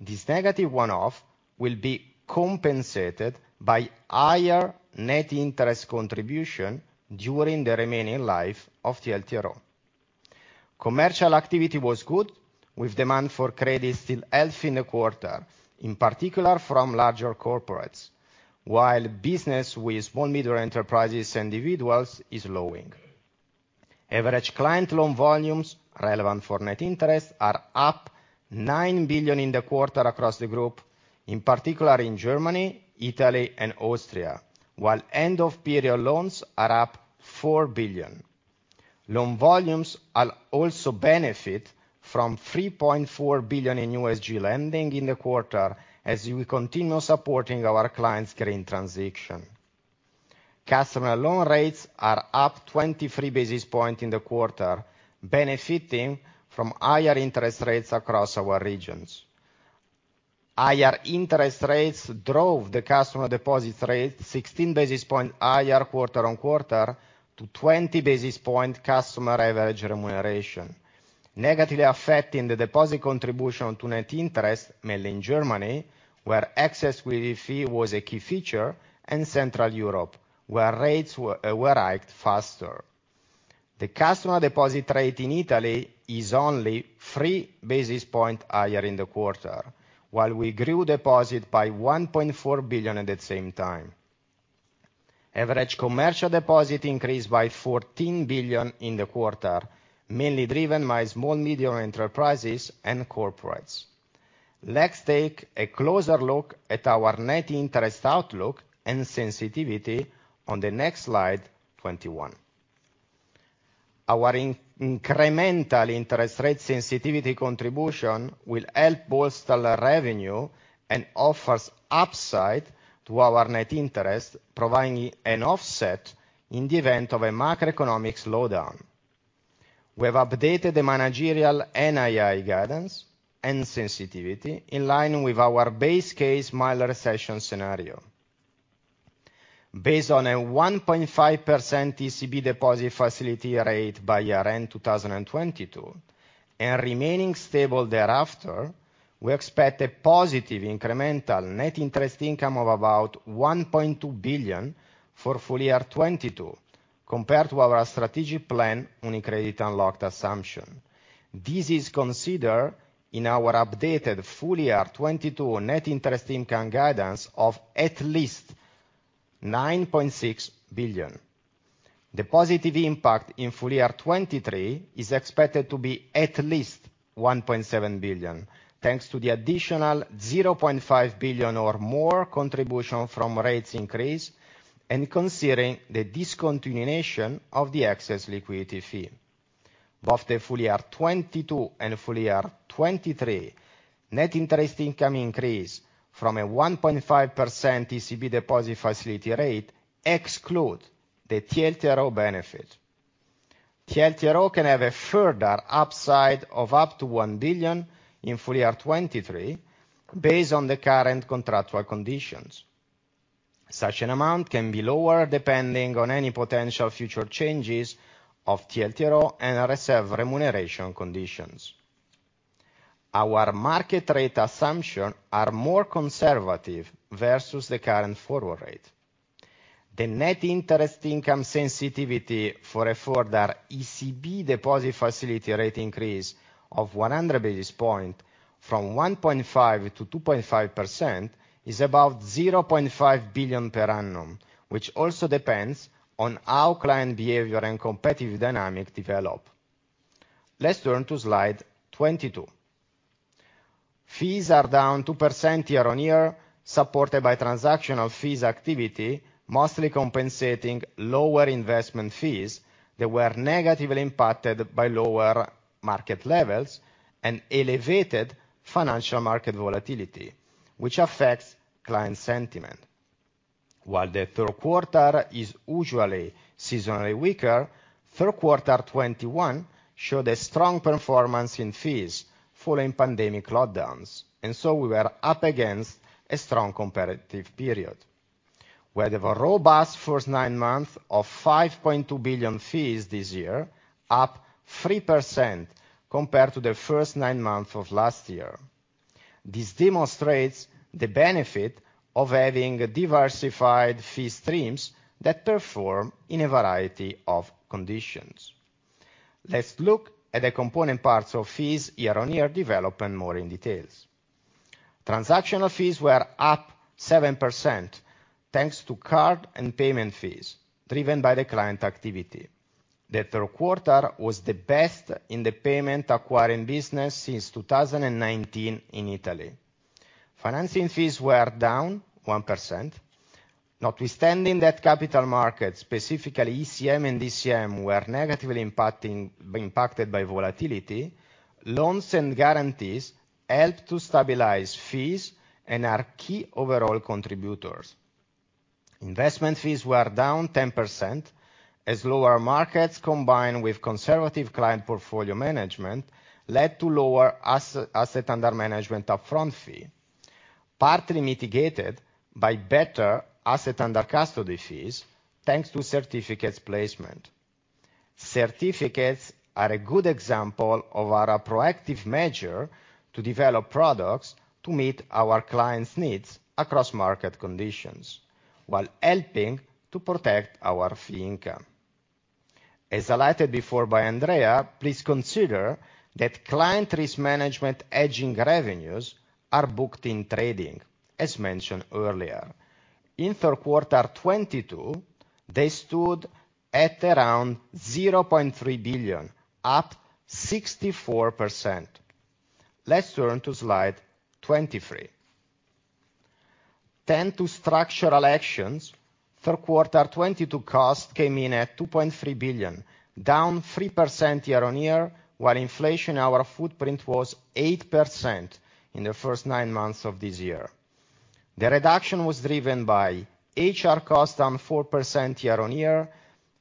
This negative one-off will be compensated by higher net interest contribution during the remaining life of TLTRO. Commercial activity was good, with demand for credit still healthy in the quarter, in particular from larger corporates, while business with small-medium enterprises and individuals is lowering. Average client loan volumes relevant for net interest are up 9 billion in the quarter across the group, in particular in Germany, Italy and Austria, while end of period loans are up 4 billion. Loan volumes are also benefiting from 3.4 billion in ESG lending in the quarter as we continue supporting our clients' green transition. Customer loan rates are up 23 basis points in the quarter, benefiting from higher interest rates across our regions. Higher interest rates drove the customer deposit rate 16 basis points higher quarter-on-quarter to 20 basis points customer average remuneration, negatively affecting the deposit contribution to net interest, mainly in Germany, where excess liquidity fee was a key feature, and Central Europe, where rates were hiked faster. The customer deposit rate in Italy is only three basis points higher in the quarter, while we grew deposit by 1.4 billion at the same time. Average commercial deposit increased by 14 billion in the quarter, mainly driven by small-medium enterprises and corporates. Let's take a closer look at our net interest outlook and sensitivity on the next slide, 21. Our incremental interest rate sensitivity contribution will help bolster our revenue and offers upside to our net interest, providing an offset in the event of a macroeconomic slowdown. We have updated the managerial NII guidance and sensitivity in line with our base case mild recession scenario. Based on a 1.5% ECB deposit facility rate by year-end 2022, and remaining stable thereafter, we expect a positive incremental net interest income of about 1.2 billion for full year 2022 compared to our strategic plan UniCredit Unlocked assumption. This is considered in our updated full year 2022 net interest income guidance of at least 9.6 billion. The positive impact in full year 2023 is expected to be at least 1.7 billion, thanks to the additional 0.5 billion or more contribution from rates increase and considering the discontinuation of the excess liquidity fee. Both the full year 2022 and full year 2023 net interest income increase from a 1.5% ECB deposit facility rate exclude the TLTRO benefit. TLTRO can have a further upside of up to 1 billion in full year 2023 based on the current contractual conditions. Such an amount can be lower depending on any potential future changes of TLTRO and reserve remuneration conditions. Our market rate assumption are more conservative versus the current forward rate. The net interest income sensitivity for a further ECB deposit facility rate increase of 100 basis points from 1.5% to 2.5% is about 0.5 billion per annum, which also depends on how client behavior and competitive dynamic develop. Let's turn to slide 22. Fees are down 2% year-over-year, supported by transactional fees activity, mostly compensating lower investment fees that were negatively impacted by lower market levels and elevated financial market volatility, which affects client sentiment. While the third quarter is usually seasonally weaker, third quarter 2021 showed a strong performance in fees following pandemic lockdowns, and so we were up against a strong comparative period. We have a robust first nine months of 5.2 billion fees this year, up 3% compared to the first nine months of last year. This demonstrates the benefit of having diversified fee streams that perform in a variety of conditions. Let's look at the component parts of fees year-over-year development more in detail. Transactional fees were up 7% thanks to card and payment fees driven by the client activity. The third quarter was the best in the payment acquiring business since 2019 in Italy. Financing fees were down 1%. Notwithstanding that capital markets, specifically ECM and DCM, were negatively impacted by volatility, loans and guarantees helped to stabilize fees and are key overall contributors. Investment fees were down 10% as lower markets combined with conservative client portfolio management led to lower asset under management upfront fee, partly mitigated by better asset under custody fees, thanks to certificates placement. Certificates are a good example of our proactive measure to develop products to meet our clients' needs across market conditions while helping to protect our fee income. As highlighted before by Andrea, please consider that client risk management hedging revenues are booked in trading, as mentioned earlier. In third quarter 2022, they stood at around 0.3 billion, up 64%. Let's turn to slide 23. Thanks to structural actions, third quarter 2022 costs came in at 2.3 billion, down 3% year-on-year, while inflation in our footprint was 8% in the first nine months of this year. The reduction was driven by HR costs, down 4% year-on-year,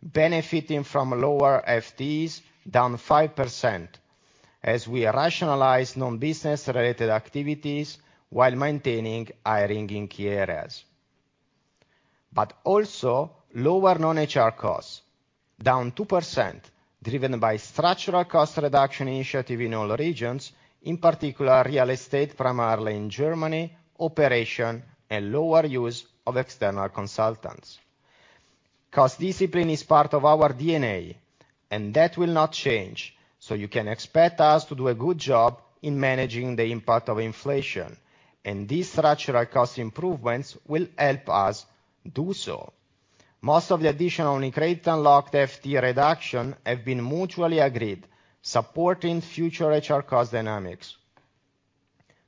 benefiting from lower FTEs, down 5%, as we rationalize non-business related activities while maintaining hiring in key areas. Also lower non-HR costs, down 2%, driven by structural cost reduction initiatives in all regions, in particular real estate, primarily in Germany, operations, and lower use of external consultants. Cost discipline is part of our DNA, and that will not change, so you can expect us to do a good job in managing the impact of inflation, and these structural cost improvements will help us do so. Most of the additional UniCredit Unlocked FTE reduction have been mutually agreed, supporting future HR cost dynamics.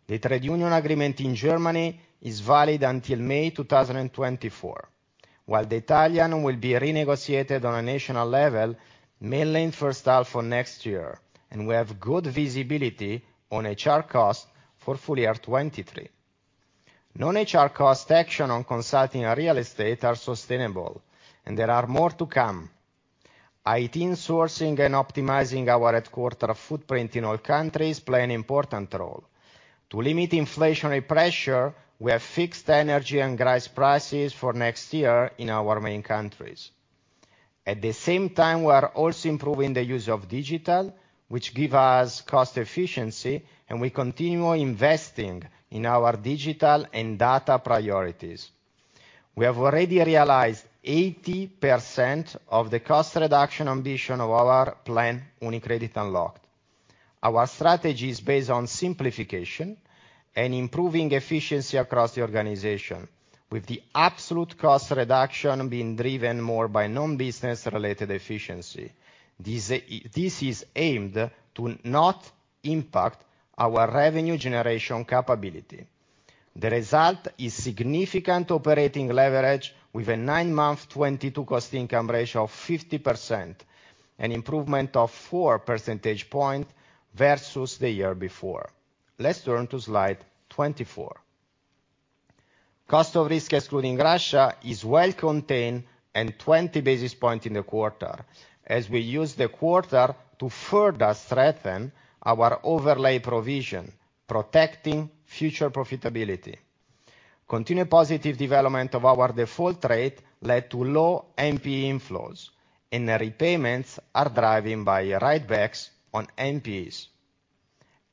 The trade union agreement in Germany is valid until May 2024, while the Italian will be renegotiated on a national level mainly in first half of next year, and we have good visibility on HR costs for full year 2023. Non-HR cost action on consulting and real estate are sustainable, and there are more to come. IT sourcing and optimizing our headquarters footprint in all countries play an important role. To limit inflationary pressure, we have fixed energy and gas prices for next year in our main countries. At the same time, we are also improving the use of digital, which give us cost efficiency, and we continue investing in our digital and data priorities. We have already realized 80% of the cost reduction ambition of our plan, UniCredit Unlocked. Our strategy is based on simplification and improving efficiency across the organization, with the absolute cost reduction being driven more by non-business related efficiency. This is aimed to not impact our revenue generation capability. The result is significant operating leverage with a nine-month 2022 cost income ratio of 50%, an improvement of four percentage points versus the year before. Let's turn to slide 24. Cost of risk excluding Russia is well contained and 20 basis points in the quarter as we use the quarter to further strengthen our overlay provision, protecting future profitability. Continued positive development of our default rate led to low NPE inflows, and the repayments are driven by write-backs on NPEs.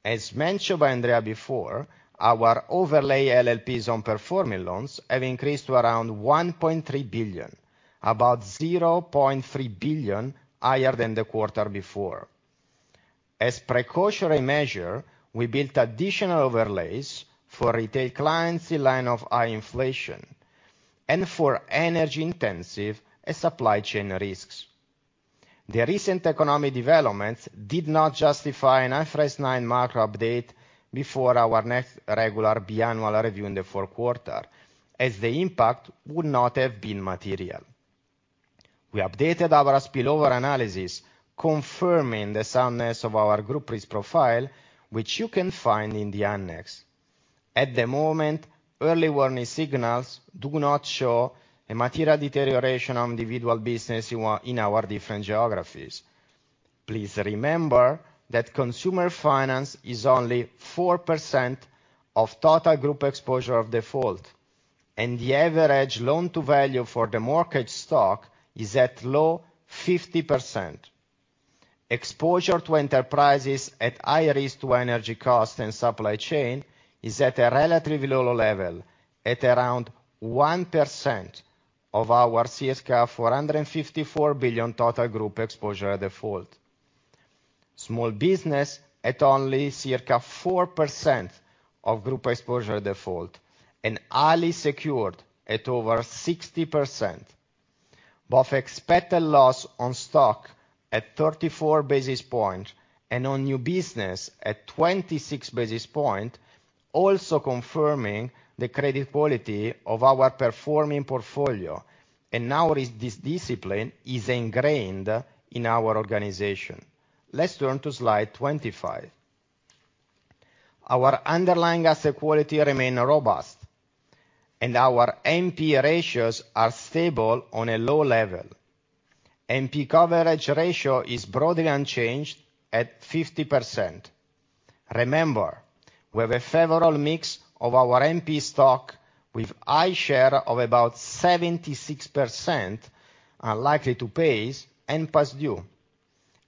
As mentioned by Andrea before, our overlay LLPs on performing loans have increased to around 1.3 billion, about 0.3 billion higher than the quarter before. As precautionary measure, we built additional overlays for retail clients in light of high inflation and for energy intensive and supply chain risks. The recent economic developments did not justify an IFRS nine macro update before our next regular biannual review in the fourth quarter, as the impact would not have been material. We updated our spillover analysis confirming the soundness of our group risk profile, which you can find in the annex. At the moment, early warning signals do not show a material deterioration on individual business in our different geographies. Please remember that consumer finance is only 4% of total group exposure of default, and the average loan-to-value for the mortgage stock is at low 50%. Exposure to enterprises at high risk to energy cost and supply chain is at a relatively low level, at around 1% of our circa 454 billion total group exposure default. Small business at only circa 4% of group exposure default, and highly secured at over 60%. Both expected loss on stock at 34 basis points and on new business at 26 basis points, also confirming the credit quality of our performing portfolio. Now risk discipline is ingrained in our organization. Let's turn to slide 25. Our underlying asset quality remain robust, and our NP ratios are stable on a low level. NP coverage ratio is broadly unchanged at 50%. Remember, we have a favorable mix of our NP stock with high share of about 76% unlikely to pay and past due.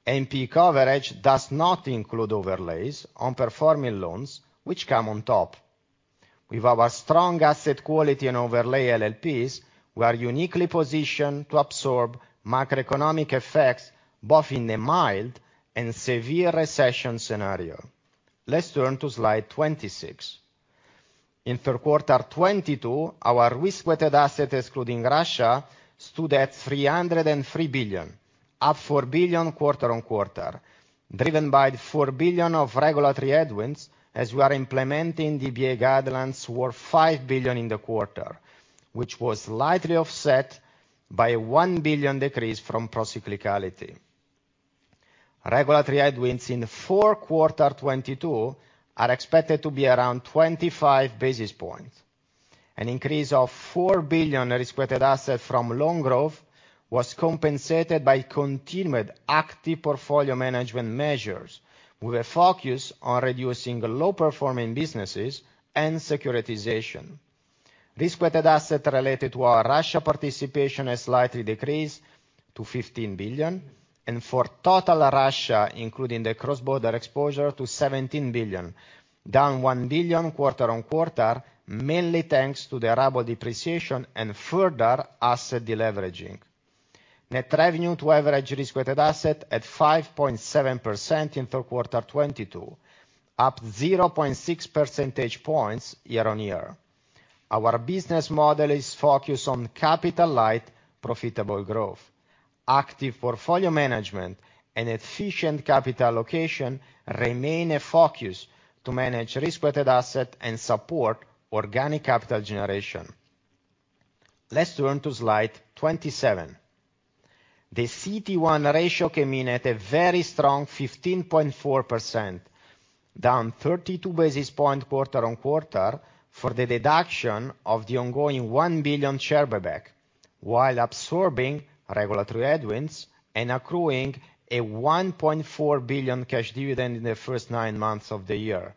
NP coverage does not include overlays on performing loans which come on top. With our strong asset quality and overlay LLPs, we are uniquely positioned to absorb macroeconomic effects both in a mild and severe recession scenario. Let's turn to slide 26. In third quarter 2022, our risk-weighted assets excluding Russia stood at 303 billion, up 4 billion quarter-on-quarter, driven by 4 billion of regulatory headwinds as we are implementing EBA guidelines worth 5 billion in the quarter, which was slightly offset by a 1 billion decrease from procyclicality. Regulatory headwinds in the fourth quarter 2022 are expected to be around 25 basis points. An increase of 4 billion risk-weighted assets from loan growth was compensated by continued active portfolio management measures, with a focus on reducing low-performing businesses and securitization. Risk-weighted assets related to our Russia participation has slightly decreased to 15 billion, and for total Russia, including the cross-border exposure to 17 billion, down 1 billion quarter-on-quarter, mainly thanks to the ruble depreciation and further asset deleveraging. Net revenue to average risk-weighted assets at 5.7% in third quarter 2022, up 0.6 percentage points year-on-year. Our business model is focused on capital-light, profitable growth. Active portfolio management and efficient capital allocation remain a focus to manage risk-weighted assets and support organic capital generation. Let's turn to slide 27. The CET1 ratio came in at a very strong 15.4%, down 32 basis points quarter-on-quarter for the deduction of the ongoing 1 billion share buyback, while absorbing regulatory headwinds and accruing a 1.4 billion cash dividend in the first nine months of the year,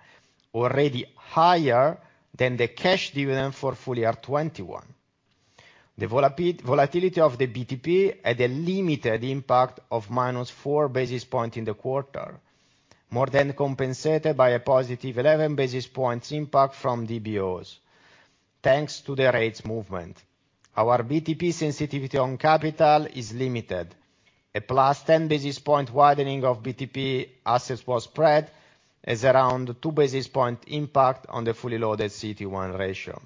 already higher than the cash dividend for full year 2021. The volatility of the BTP had a limited impact of minus four basis points in the quarter, more than compensated by a positive eleven basis points impact from DBOs, thanks to the rates movement. Our BTP sensitivity on capital is limited. A +10 basis point widening of BTP spread as around two basis points impact on the fully loaded CET1 ratio.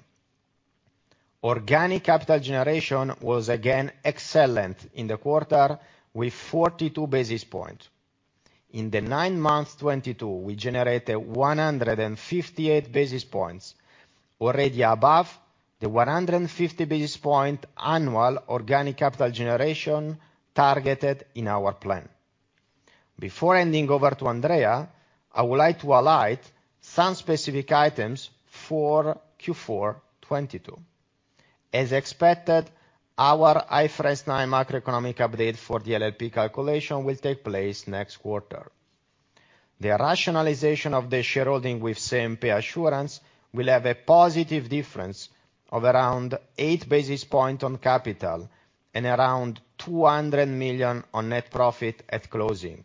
Organic capital generation was again excellent in the quarter with 42 basis points. In the nine months 2022, we generated 158 basis points, already above the 150 basis point annual organic capital generation targeted in our plan. Before handing over to Andrea, I would like to highlight some specific items for Q4 2022. As expected, our IFRS nine macroeconomic update for the LLP calculation will take place next quarter. The rationalization of the shareholding with CNP Assurances will have a positive difference of around 8 basis point on capital and around 200 million on net profit at closing.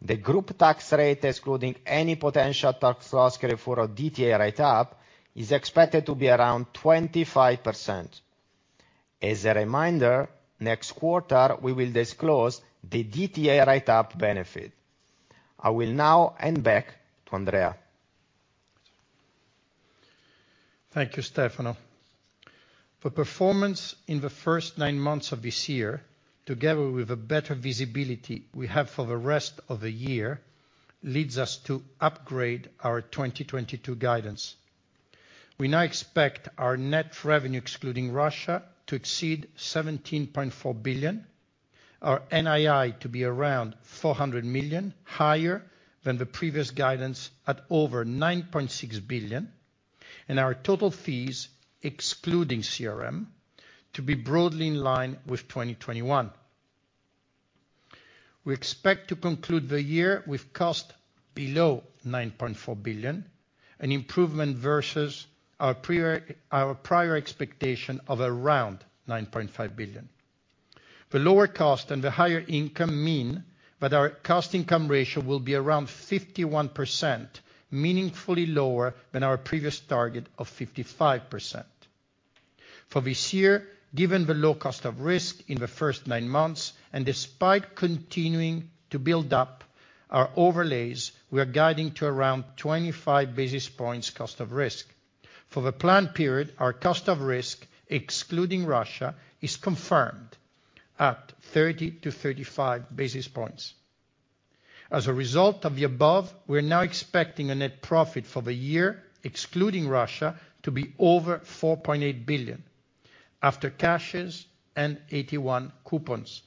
The group tax rate, excluding any potential tax loss carryforward DTA write-up, is expected to be around 25%. As a reminder, next quarter we will disclose the DTA write-up benefit. I will now hand back to Andrea. Thank you, Stefano. The performance in the first nine months of this year, together with the better visibility we have for the rest of the year, leads us to upgrade our 2022 guidance. We now expect our net revenue excluding Russia to exceed 17.4 billion. Our NII to be around 400 million, higher than the previous guidance at over 9.6 billion. Our total fees, excluding CRM, to be broadly in line with 2021. We expect to conclude the year with cost below 9.4 billion, an improvement versus our prior expectation of around 9.5 billion. The lower cost and the higher income mean that our cost income ratio will be around 51%, meaningfully lower than our previous target of 55%. For this year, given the low cost of risk in the first nine months, and despite continuing to build up our overlays, we are guiding to around 25 basis points cost of risk. For the plan period, our cost of risk, excluding Russia, is confirmed at 30-35 basis points. As a result of the above, we're now expecting a net profit for the year, excluding Russia, to be over 4.8 billion after CASHES and AT1 coupons.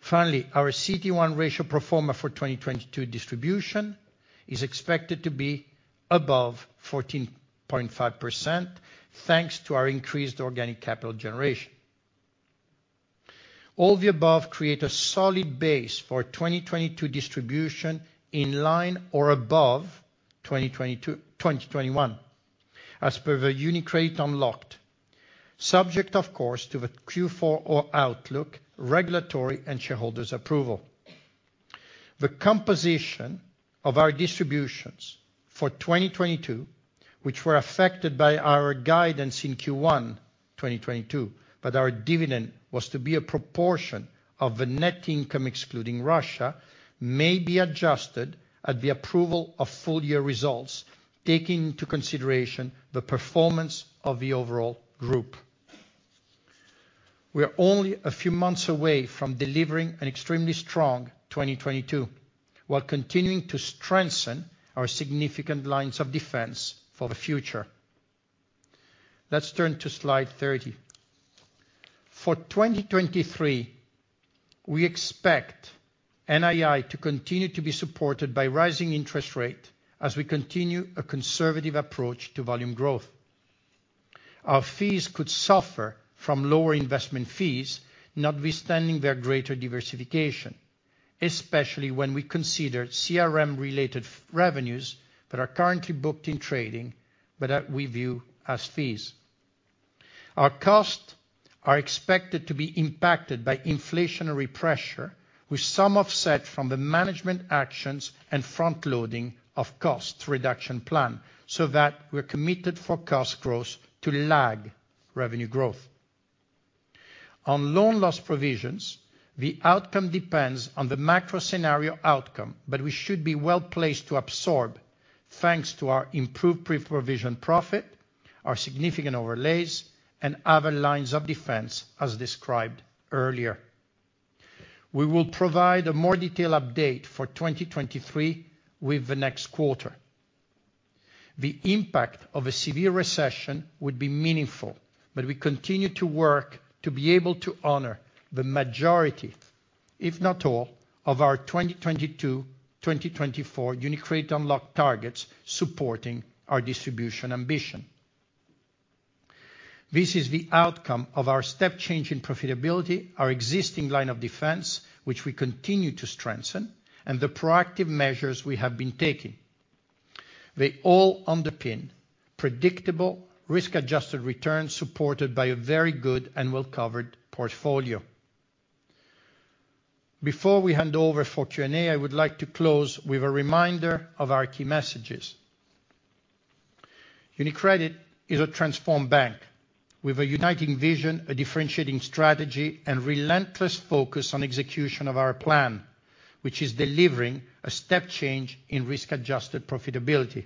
Finally, our CET1 ratio pro forma for 2022 distribution is expected to be above 14.5%, thanks to our increased organic capital generation. All the above create a solid base for 2022 distribution in line or above 2021 as per the UniCredit Unlocked, subject of course to the Q4 or outlook regulatory and shareholders approval. The composition of our distributions for 2022, which were affected by our guidance in Q1 2022, but our dividend was to be a proportion of the net income excluding Russia, may be adjusted at the approval of full year results, taking into consideration the performance of the overall group. We are only a few months away from delivering an extremely strong 2022, while continuing to strengthen our significant lines of defense for the future. Let's turn to slide 30. For 2023, we expect NII to continue to be supported by rising interest rate as we continue a conservative approach to volume growth. Our fees could suffer from lower investment fees, notwithstanding their greater diversification, especially when we consider CRM-related fee revenues that are currently booked in trading, but that we view as fees. Our costs are expected to be impacted by inflationary pressure, with some offset from the management actions and front loading of cost reduction plan, so that we're committed for cost growth to lag revenue growth. On loan loss provisions, the outcome depends on the macro scenario outcome, but we should be well-placed to absorb, thanks to our improved pre-provision profit, our significant overlays, and other lines of defense as described earlier. We will provide a more detailed update for 2023 with the next quarter. The impact of a severe recession would be meaningful, but we continue to work to be able to honor the majority, if not all, of our 2022/2024 UniCredit Unlocked targets supporting our distribution ambition. This is the outcome of our step change in profitability, our existing line of defense, which we continue to strengthen, and the proactive measures we have been taking. They all underpin predictable risk-adjusted returns supported by a very good and well-covered portfolio. Before we hand over for Q&A, I would like to close with a reminder of our key messages. UniCredit is a transformed bank with a uniting vision, a differentiating strategy, and relentless focus on execution of our plan, which is delivering a step change in risk-adjusted profitability.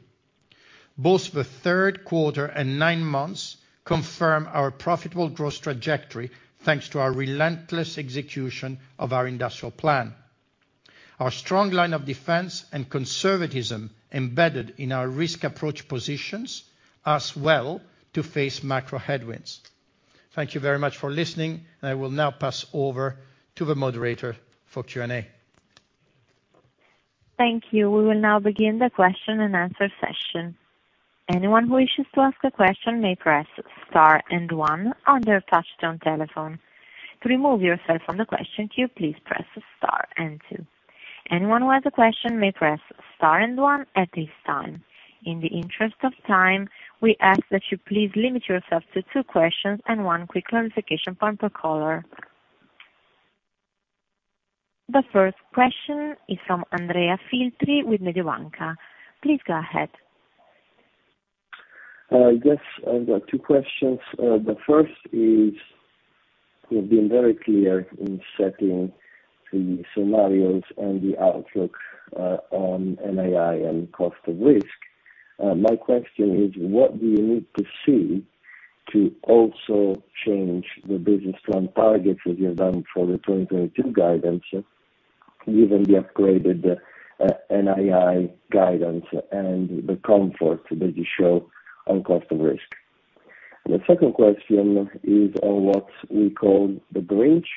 Both the third quarter and nine months confirm our profitable growth trajectory thanks to our relentless execution of our Industrial Plan. Our strong line of defense and conservatism embedded in our risk approach positions us well to face macro headwinds. Thank you very much for listening, and I will now pass over to the moderator for Q&A. Thank you. We will now begin the question and answer session. Anyone who wishes to ask a question may press star and one on their touchtone telephone. To remove yourself from the question queue, please press star and two. Anyone who has a question may press star and one at this time. In the interest of time, we ask that you please limit yourself to two questions and one quick clarification point per caller. The first question is from Andrea Filtri with Mediobanca. Please go ahead. I guess I've got two questions. The first is, you've been very clear in setting the scenarios and the outlook on NII and cost of risk. My question is, what do you need to see to also change the business plan targets that you've done for the 2022 guidance? Given the upgraded NII guidance and the comfort that you show on cost of risk. The second question is on what we call the bridge.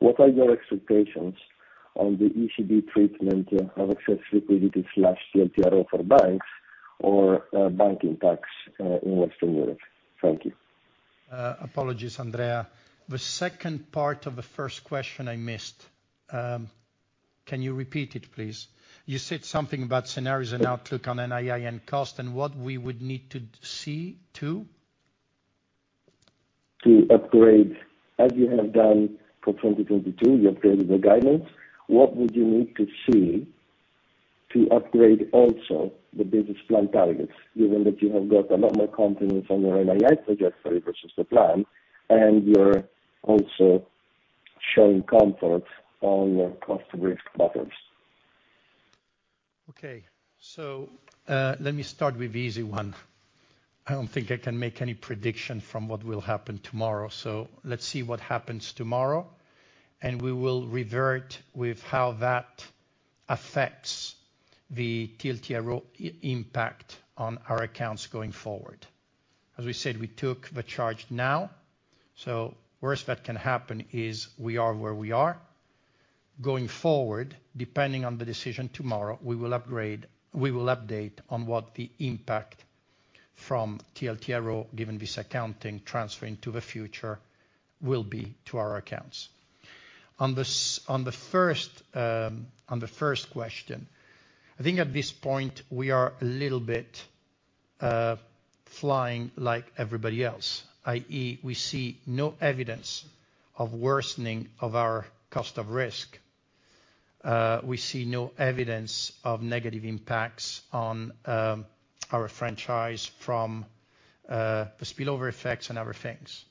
What are your expectations on the ECB treatment of excess liquidity/TLTRO for banks or banking tax in Western Europe? Thank you. Apologies, Andrea. The second part of the first question I missed. Can you repeat it, please? You said something about scenarios and outlook on NII and cost and what we would need to see too. To upgrade as you have done for 2022, you updated the guidance. What would you need to see to upgrade also the business plan targets, given that you have got a lot more confidence on your NII trajectory versus the plan, and you're also showing comfort on your cost of risk buffers? Okay. Let me start with the easy one. I don't think I can make any prediction from what will happen tomorrow, so let's see what happens tomorrow, and we will revert with how that affects the TLTRO impact on our accounts going forward. As we said, we took the charge now, so worst that can happen is we are where we are. Going forward, depending on the decision tomorrow, we will upgrade, we will update on what the impact from TLTRO, given this accounting transferring to the future, will be to our accounts. On the first question, I think at this point we are a little bit flying blind like everybody else, i.e., we see no evidence of worsening of our cost of risk. We see no evidence of negative impacts on our franchise from the spillover effects and other things.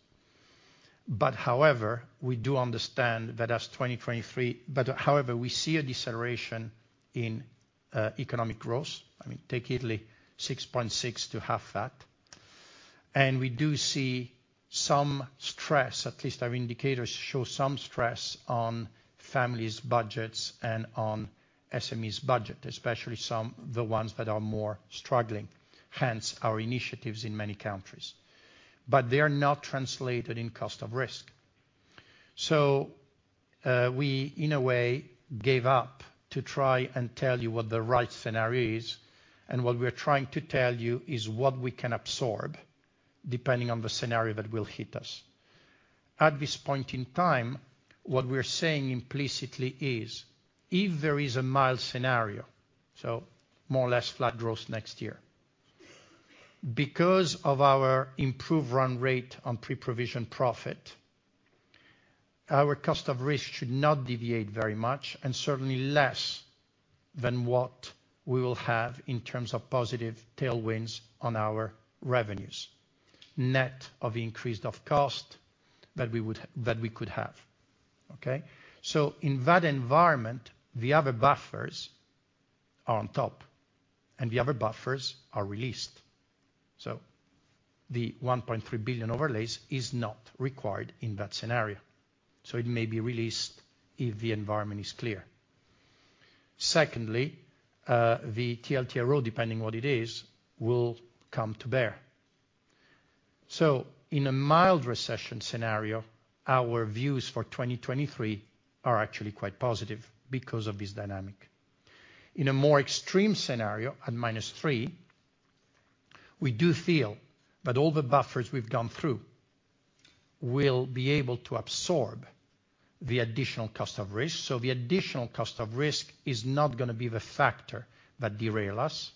However, we do understand that as 2023. However, we see a deceleration in economic growth. I mean, take Italy, 6.6% to half that. We do see some stress, at least our indicators show some stress on families' budgets and on SMEs' budget, especially some, the ones that are more struggling, hence our initiatives in many countries. They are not translated in cost of risk. We, in a way, gave up to try and tell you what the right scenario is, and what we're trying to tell you is what we can absorb depending on the scenario that will hit us. At this point in time, what we're saying implicitly is if there is a mild scenario, so more or less flat growth next year, because of our improved run rate on pre-provision profit, our cost of risk should not deviate very much and certainly less than what we will have in terms of positive tailwinds on our revenues, net of increased of cost that we could have. Okay? In that environment, the other buffers are on top, and the other buffers are released. The 1.3 billion overlays is not required in that scenario, so it may be released if the environment is clear. Secondly, the TLTRO, depending what it is, will come to bear. In a mild recession scenario, our views for 2023 are actually quite positive because of this dynamic. In a more extreme scenario, at -3%, we do feel that all the buffers we've gone through will be able to absorb the additional cost of risk, so the additional cost of risk is not gonna be the factor that derail us.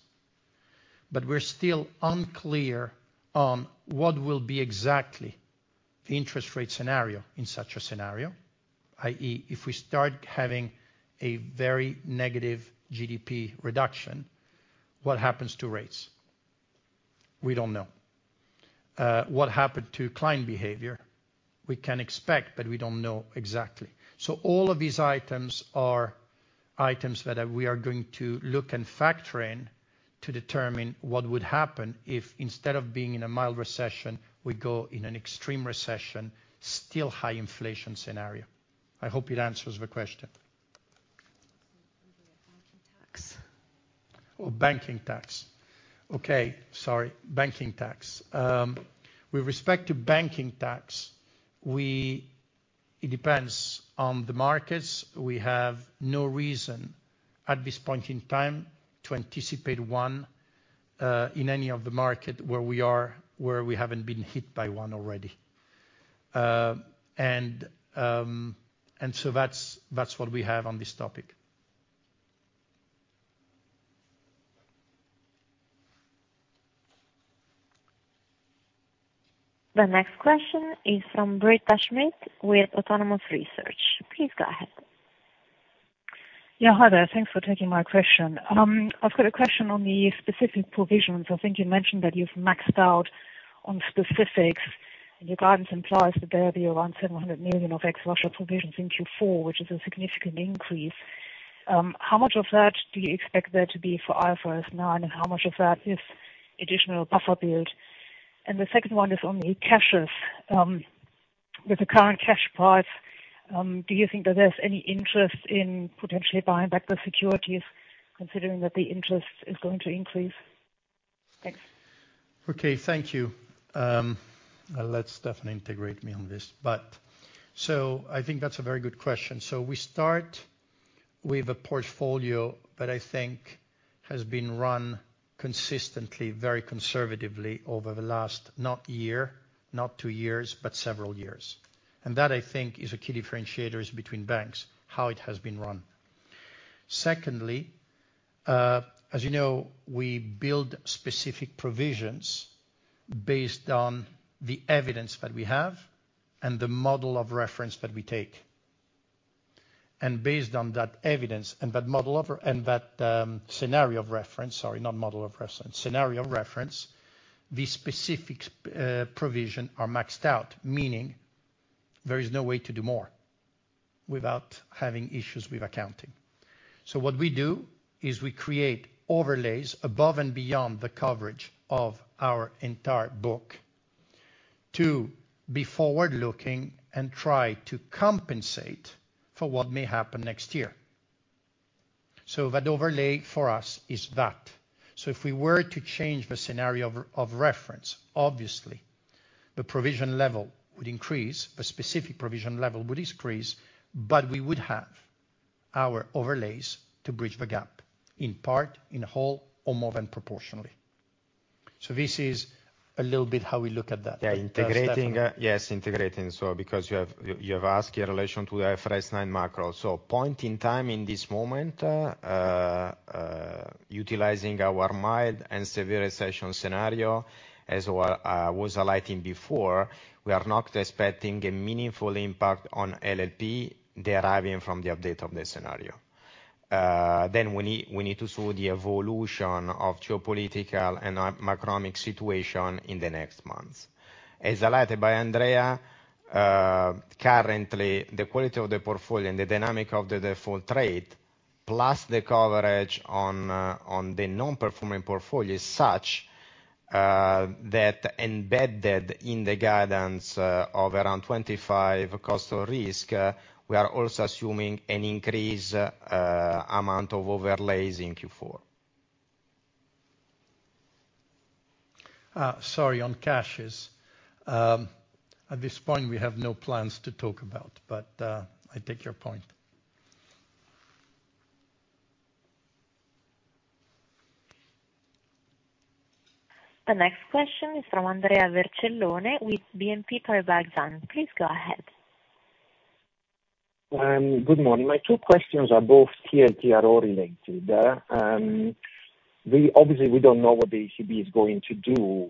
We're still unclear on what will be exactly the interest rate scenario in such a scenario, i.e., if we start having a very negative GDP reduction, what happens to rates? We don't know. What happened to client behavior? We can expect, but we don't know exactly. All of these items are items that, we are going to look and factor in to determine what would happen if instead of being in a mild recession, we go in an extreme recession, still high inflation scenario. I hope it answers the question. Andrea, banking tax. Banking tax. Okay. Sorry. Banking tax. With respect to banking tax, it depends on the markets. We have no reason at this point in time to anticipate one in any of the market where we are, where we haven't been hit by one already. That's what we have on this topic. The next question is from Britta Schmidt with Autonomous Research. Please go ahead. Yeah, hi there. Thanks for taking my question. I've got a question on the specific provisions. I think you mentioned that you've maxed out on specifics. Your guidance implies that there'll be around 700 million of ex-Russia provisions in Q4, which is a significant increase. How much of that do you expect there to be for IFRS nine, and how much of that is additional buffer build? The second one is on the CASHES. With the current cash part, do you think that there's any interest in potentially buying back the securities considering that the interest is going to increase? Thanks. Thank you. I'll let Stefano elaborate on this. I think that's a very good question. We start with a portfolio that I think has been run consistently, very conservatively over the last not year, not two years, but several years. That, I think, is a key differentiator between banks, how it has been run. Secondly, as you know, we build specific provisions based on the evidence that we have and the scenario of reference that we take. Based on that evidence and that scenario of reference, these specific provisions are maxed out, meaning there is no way to do more without having issues with accounting. What we do is we create overlays above and beyond the coverage of our entire book to be forward-looking and try to compensate for what may happen next year. That overlay for us is that. If we were to change the scenario of reference, obviously the provision level would increase, a specific provision level would increase, but we would have our overlays to bridge the gap, in part, in whole, or more than proportionally. This is a little bit how we look at that. Yeah. Integrating Stefano. Yes, integrating. Because you have asked re relation to IFRS nine macro. Point in time in this moment, utilizing our mild and severe recession scenario as well as highlighting before, we are not expecting a meaningful impact on LLP deriving from the update of the scenario. We need to show the evolution of geopolitical and macroeconomic situation in the next months. As highlighted by Andrea, currently the quality of the portfolio and the dynamic of the default rate plus the coverage on the non-performing portfolio is such that embedded in the guidance of around 25 cost of risk, we are also assuming an increased amount of overlays in Q4. Sorry, on CASHES. At this point we have no plans to talk about, but I take your point. The next question is from Andrea Vercellone with BNP Paribas. Please go ahead. Good morning. My two questions are both TLTRO related. We obviously don't know what the ECB is going to do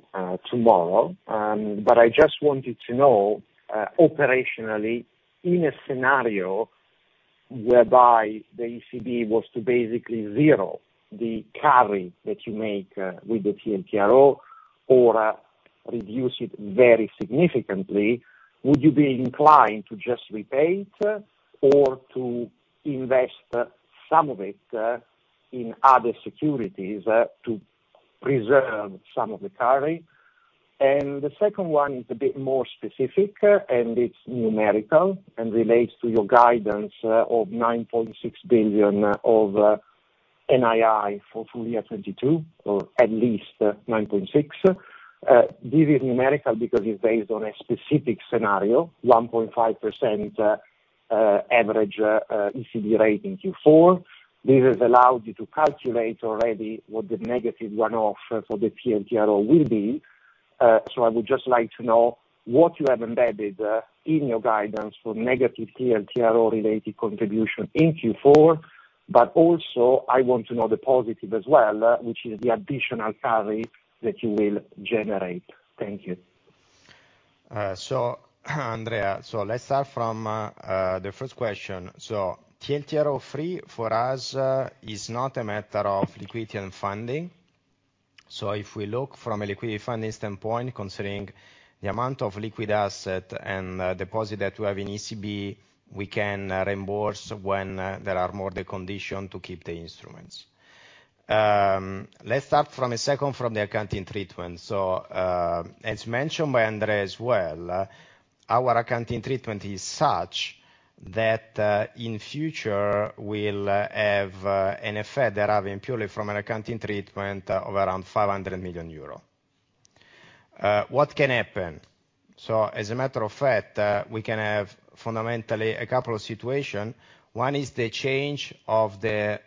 tomorrow, but I just wanted to know operationally, in a scenario whereby the ECB was to basically zero the carry that you make with the TLTRO or reduce it very significantly, would you be inclined to just repay it or to invest some of it in other securities to preserve some of the carry? The second one is a bit more specific and it's numerical and relates to your guidance of 9.6 billion of NII for full year 2022, or at least 9.6. This is numerical because it's based on a specific scenario, 1.5% average ECB rate in Q4. This has allowed you to calculate already what the negative run-off for the TLTRO will be. I would just like to know what you have embedded in your guidance for negative TLTRO-related contribution in Q4, but also I want to know the positive as well, which is the additional carry that you will generate. Thank you. Andrea, let's start from the first question. TLTRO three for us is not a matter of liquidity and funding. If we look from a liquidity funding standpoint, considering the amount of liquid assets and deposits that we have in ECB, we can reimburse when there are no more conditions to keep the instruments. Let's start from the second, from the accounting treatment. As mentioned by Andrea as well, our accounting treatment is such that in the future we'll have an effect deriving purely from an accounting treatment of around 500 million euro. What can happen? As a matter of fact, we can have fundamentally a couple of situations. One is the change of the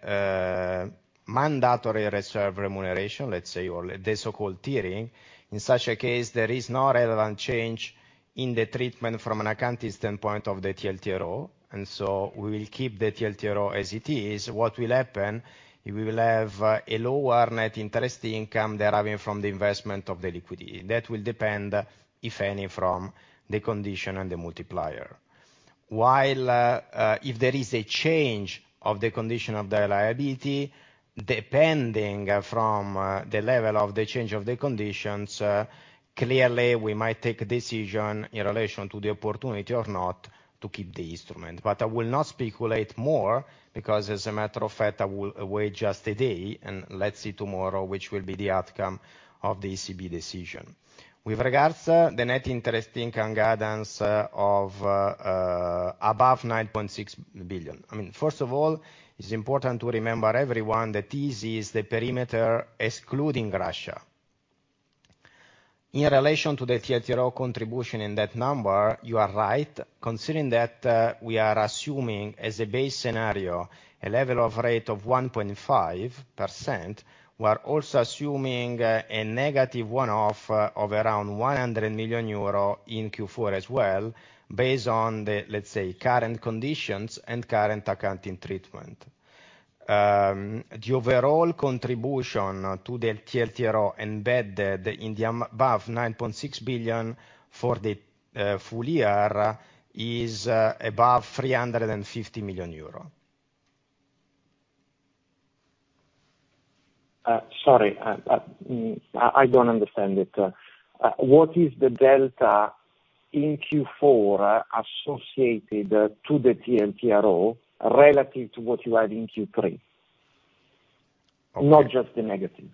mandatory reserve remuneration, let's say, or the so-called tiering. In such a case, there is no relevant change in the treatment from an accounting standpoint of the TLTRO, and so we will keep the TLTRO as it is. What will happen, we will have a lower net interest income deriving from the investment of the liquidity. That will depend, if any, from the condition and the multiplier. While, if there is a change of the condition of the liability, depending from the level of the change of the conditions, clearly we might take a decision in relation to the opportunity or not to keep the instrument. But I will not speculate more, because as a matter of fact, I will wait just a day, and let's see tomorrow which will be the outcome of the ECB decision. With regards to the net interest income guidance of above 9.6 billion. I mean, first of all, it's important to remember everyone that this is the perimeter excluding Russia. In relation to the TLTRO contribution in that number, you are right. Considering that, we are assuming as a base scenario, a level of rate of 1.5%. We are also assuming a negative one-off of around 100 million euro in Q4 as well, based on the, let's say, current conditions and current accounting treatment. The overall contribution to the TLTRO embedded in the amount above 9.6 billion for the full year is above 350 million euro. Sorry, I don't understand it. What is the delta in Q4 associated to the TLTRO relative to what you had in Q3? Okay. Not just the negative.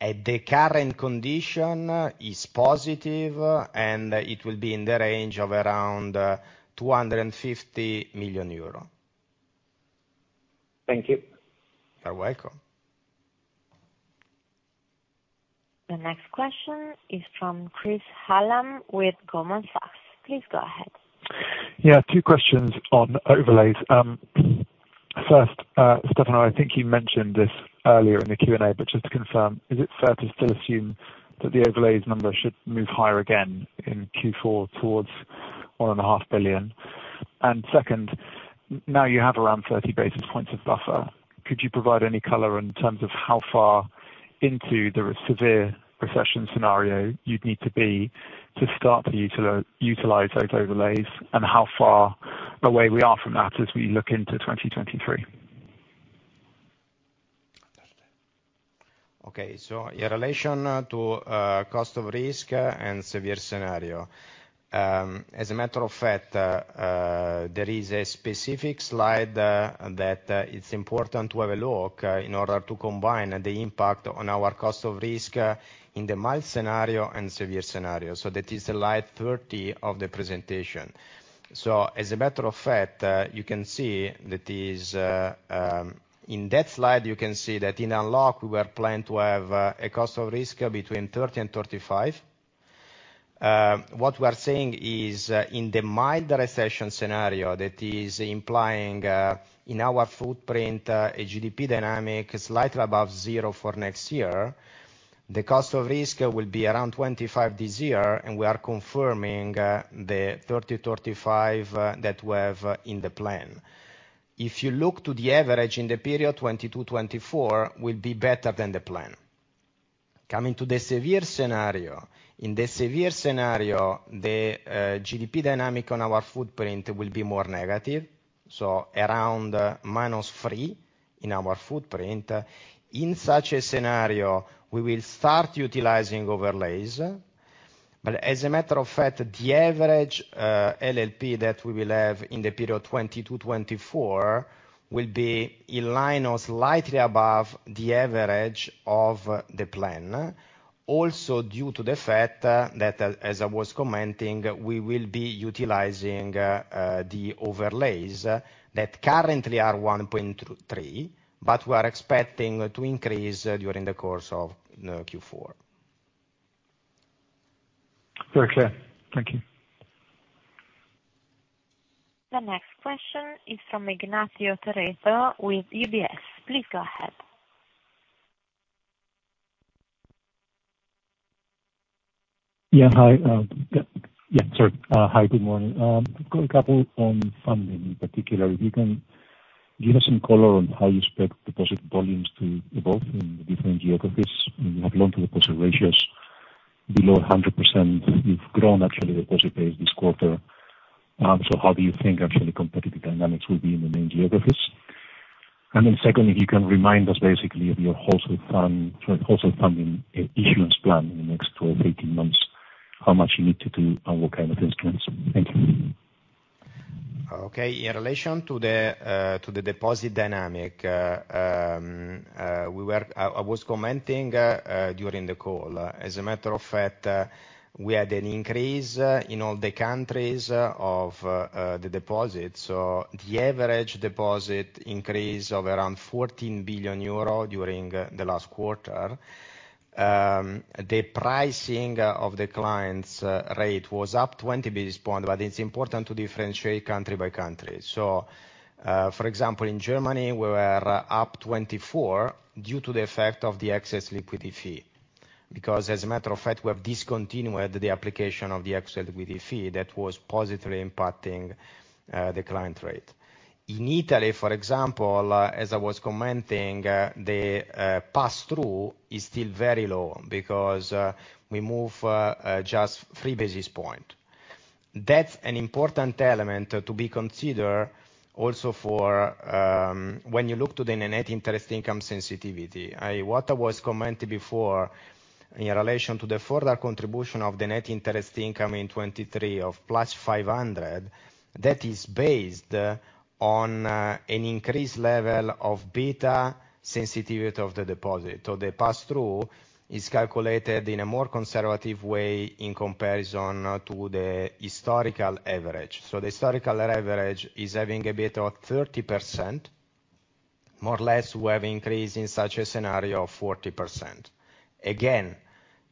The current contribution is positive, and it will be in the range of around 250 million euro. Thank you. You're welcome. The next question is from Chris Hallam with Goldman Sachs. Please go ahead. Yeah, two questions on overlays. First, Stefano, I think you mentioned this earlier in the Q&A, but just to confirm, is it fair to still assume that the overlays number should move higher again in Q4 towards 1.5 billion? And second, now you have around 30 basis points of buffer. Could you provide any color in terms of how far into the severe recession scenario you'd need to be to start to utilize those overlays, and how far away we are from that as we look into 2023? Okay. In relation to cost of risk and severe scenario. As a matter of fact, there is a specific slide that it's important to have a look in order to combine the impact on our cost of risk in the mild scenario and severe scenario. That is slide 30 of the presentation. As a matter of fact, you can see in that slide that in unlock we were planned to have a cost of risk between 30 and 35. What we are saying is in the mild recession scenario, that is implying in our footprint a GDP dynamic slightly above zero for next year. The cost of risk will be around 25 this year, and we are confirming the 30-35 that we have in the plan. If you look to the average in the period 2022-2024 will be better than the plan. Coming to the severe scenario. In the severe scenario, the GDP dynamic on our footprint will be more negative, so around -3% in our footprint. In such a scenario, we will start utilizing overlays. As a matter of fact, the average LLP that we will have in the period 2022-2024 will be in line or slightly above the average of the plan. Also due to the fact that as I was commenting, we will be utilizing the overlays that currently are 1.3, but we are expecting to increase during the course of Q4. Very clear. Thank you. The next question is from Ignacio Ulargui with UBS. Please go ahead. Hi, good morning. Got a couple on funding, in particular. If you can give us some color on how you expect deposit volumes to evolve in the different geographies, and you have loan-to-deposit ratios below 100%. You've grown actually deposit base this quarter. So how do you think actually competitive dynamics will be in the main geographies? Then secondly, if you can remind us basically of your wholesale funding issuance plan in the next 12, 18 months, how much you need to do and what kind of instruments. Thank you. Okay. In relation to the deposit dynamic, I was commenting during the call. As a matter of fact, we had an increase in all the countries of the deposits. The average deposit increase of around 14 billion euro during the last quarter. The pricing of the client's rate was up 20 basis points, but it's important to differentiate country by country. For example, in Germany, we were up 24 basis points due to the effect of the excess liquidity fee, because as a matter of fact, we have discontinued the application of the excess liquidity fee that was positively impacting the client rate. In Italy, for example, as I was commenting, the pass-through is still very low because we move just three basis points. That's an important element to be considered also for when you look to the net interest income sensitivity. What I was commenting before in relation to the further contribution of the net interest income in 2023 of +500, that is based on an increased level of beta sensitivity of the deposit. The pass-through is calculated in a more conservative way in comparison to the historical average. The historical average is having a beta of 30%, more or less we have increased in such a scenario of 40%. Again,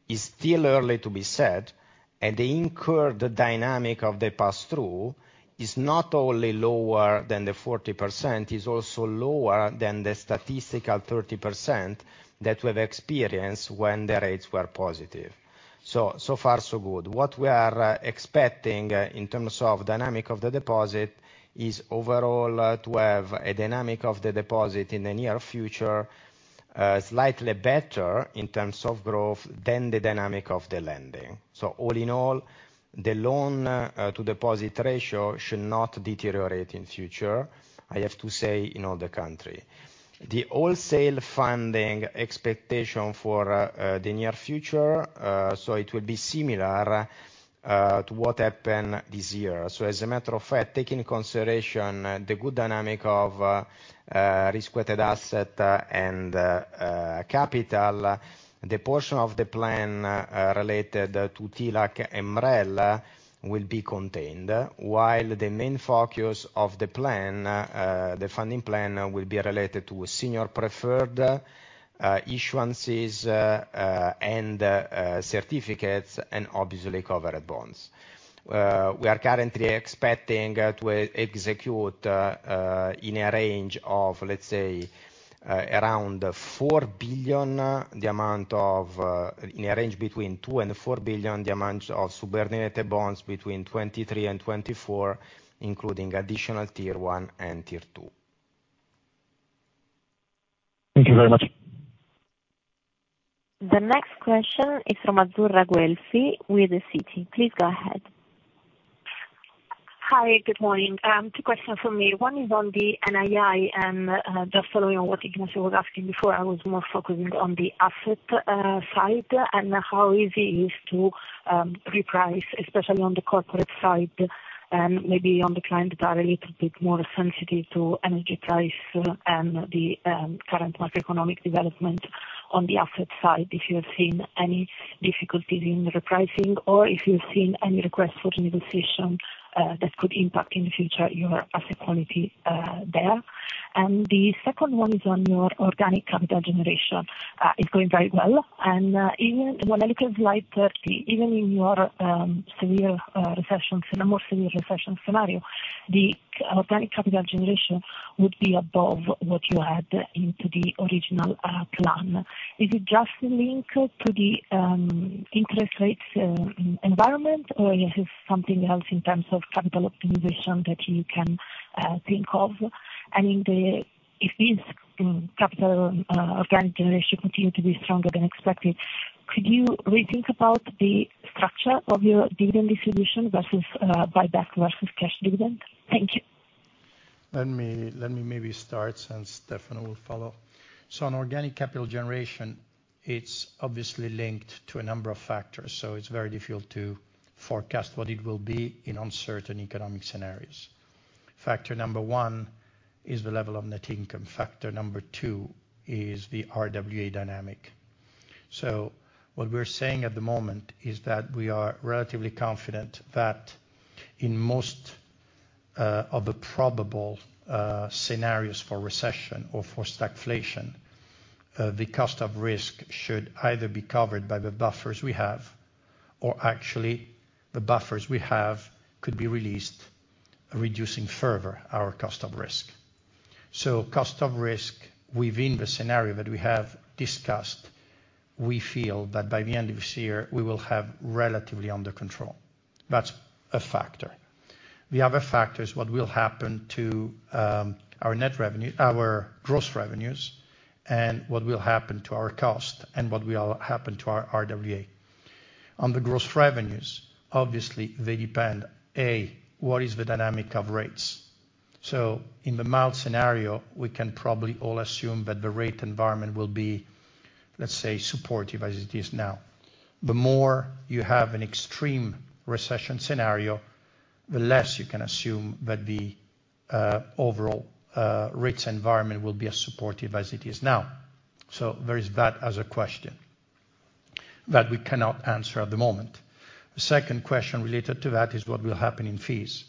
it's still early to say, and the current dynamic of the pass-through is not only lower than the 40%, it's also lower than the statistical 30% that we've experienced when the rates were positive. So far, so good. What we are expecting in terms of dynamic of the deposit is overall to have a dynamic of the deposit in the near future, slightly better in terms of growth than the dynamic of the lending. All in all, the loan to deposit ratio should not deteriorate in future, I have to say, in all the country. The wholesale funding expectation for the near future, so it will be similar to what happened this year. As a matter of fact, taking consideration the good dynamic of risk-weighted asset and capital, the portion of the plan related to TLAC and MREL will be contained. While the main focus of the plan, the funding plan, will be related to a senior preferred issuances and certificates, and obviously covered bonds. We are currently expecting to execute in a range between 2 billion and 4 billion, the amount of subordinated bonds between 2023 and 2024, including Additional Tier 1 and Tier two. Thank you very much. The next question is from Azzurra Guelfi with Citi. Please go ahead. Hi, good morning. Two questions from me. One is on the NII, and just following on what Ignacio was asking before, I was more focusing on the asset side, and how easy it is to reprice, especially on the corporate side, and maybe on the clients that are a little bit more sensitive to energy price and the current macroeconomic development on the asset side. If you have seen any difficulties in repricing, or if you've seen any request for negotiation that could impact in the future your asset quality there. The second one is on your organic capital generation. It's going very well. Even when I look at slide 30, even in a more severe recession scenario, the organic capital generation would be above what you had in the original plan. Is it just linked to the interest rates environment, or is it something else in terms of capital optimization that you can think of? If this capital organic generation continue to be stronger than expected, could you rethink about the structure of your dividend distribution versus buyback versus cash dividend? Thank you. Let me maybe start. Stefano will follow. On organic capital generation, it's obviously linked to a number of factors, so it's very difficult to forecast what it will be in uncertain economic scenarios. Factor number one is the level of net income. Factor number two is the RWA dynamic. What we're saying at the moment is that we are relatively confident that in most of the probable scenarios for recession or for stagflation, the cost of risk should either be covered by the buffers we have or actually the buffers we have could be released, reducing further our cost of risk. Cost of risk within the scenario that we have discussed, we feel that by the end of this year we will have relatively under control. That's a factor. The other factor is what will happen to our net revenue, our gross revenues, and what will happen to our cost, and what will happen to our RWA. On the gross revenues, obviously they depend, A, what is the dynamic of rates? In the mild scenario, we can probably all assume that the rate environment will be, let's say, supportive as it is now. The more you have an extreme recession scenario, the less you can assume that the overall rates environment will be as supportive as it is now. There is that as a question that we cannot answer at the moment. The second question related to that is what will happen in fees.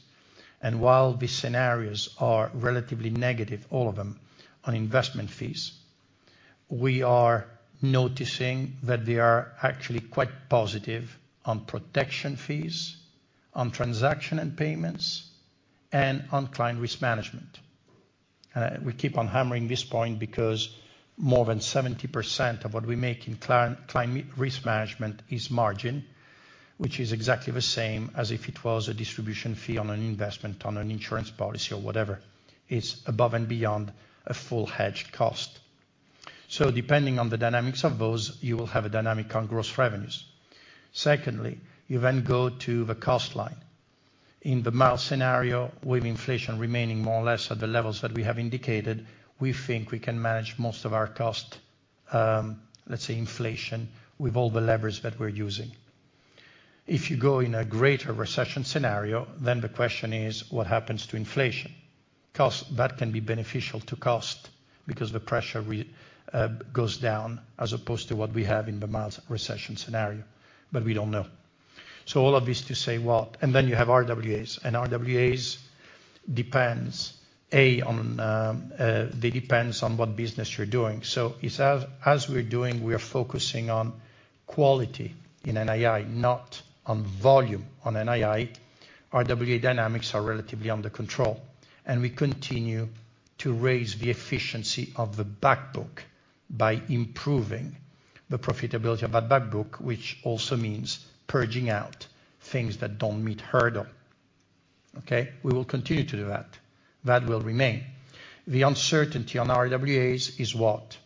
While these scenarios are relatively negative, all of them, on investment fees, we are noticing that they are actually quite positive on protection fees, on transaction and payments, and on client risk management. We keep on hammering this point because more than 70% of what we make in client risk management is margin, which is exactly the same as if it was a distribution fee on an investment, on an insurance policy, or whatever. It's above and beyond a full hedged cost. Depending on the dynamics of those, you will have a dynamic on gross revenues. Secondly, you then go to the cost line. In the mild scenario, with inflation remaining more or less at the levels that we have indicated, we think we can manage most of our cost, let's say inflation, with all the levers that we're using. If you go in a greater recession scenario, then the question is what happens to inflation. Cost, that can be beneficial to cost because the pressure goes down as opposed to what we have in the mild recession scenario, but we don't know. All of this to say what? Then you have RWAs, and RWAs depends, A, on, they depends on what business you're doing. So as we're doing, we are focusing on quality in NII, not on volume on NII. RWA dynamics are relatively under control, and we continue to raise the efficiency of the back book by improving the profitability of that back book, which also means purging out things that don't meet hurdle. Okay? We will continue to do that. That will remain. The uncertainty on RWAs is what?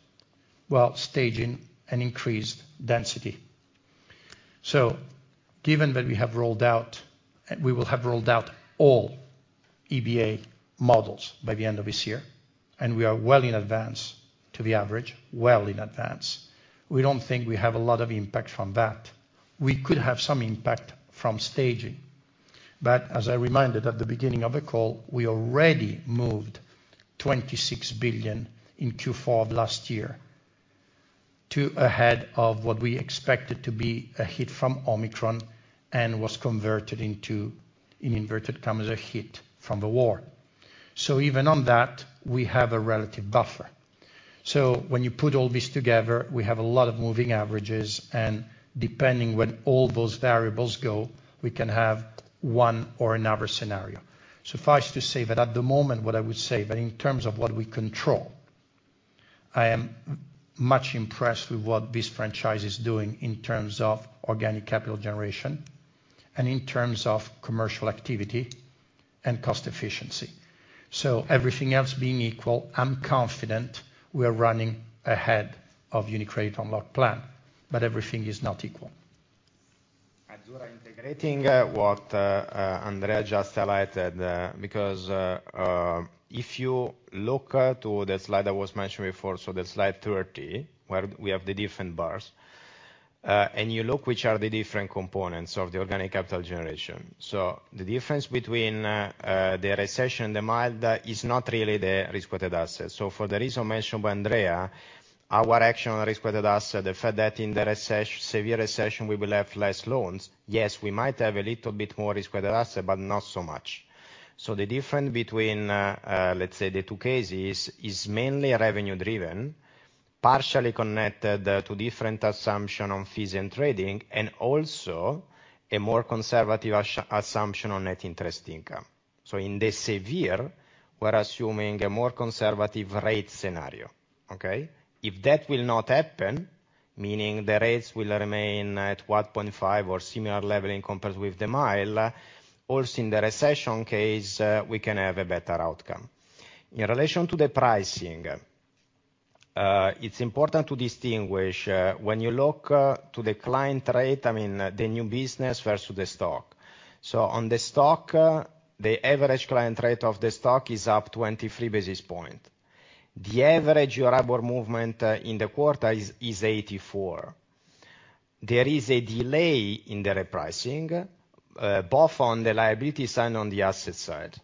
Well, staging and increased density. Given that we have rolled out, we will have rolled out all EBA models by the end of this year, and we are well in advance to the average, we don't think we have a lot of impact from that. We could have some impact from staging, but as I reminded at the beginning of the call, we already moved 26 billion in Q4 of last year to get ahead of what we expected to be a hit from Omicron and was converted into, in inverted commas, a hit from the war. Even on that, we have a relative buffer. When you put all this together, we have a lot of moving parts, and depending where all those variables go, we can have one or another scenario. Suffice to say that at the moment, what I would say, that in terms of what we control, I am much impressed with what this franchise is doing in terms of organic capital generation and in terms of commercial activity and cost efficiency. Everything else being equal, I'm confident we are running ahead of UniCredit Unlocked plan, but everything is not equal. Azzurra integrating what Andrea just highlighted, because if you look to the slide that was mentioned before, so the slide 30, where we have the different bars, and you look which are the different components of the organic capital generation. The difference between the recession and the mild is not really the risk-weighted assets. For the reason mentioned by Andrea, our action on risk-weighted asset, the fact that in the severe recession, we will have less loans, yes, we might have a little bit more risk-weighted asset, but not so much. The difference between, let's say the two cases is mainly revenue driven, partially connected to different assumption on fees and trading, and also a more conservative assumption on net interest income. In the severe, we're assuming a more conservative rate scenario. Okay? If that will not happen, meaning the rates will remain at 1.5 or similar level in comparison with the mild, also in the recession case, we can have a better outcome. In relation to the pricing, it's important to distinguish, when you look, to the client rate, I mean the new business versus the stock. On the stock, the average client rate of the stock is up 23 basis point. The average Euribor movement in the quarter is 84. There is a delay in the repricing, both on the liability side and on the asset side.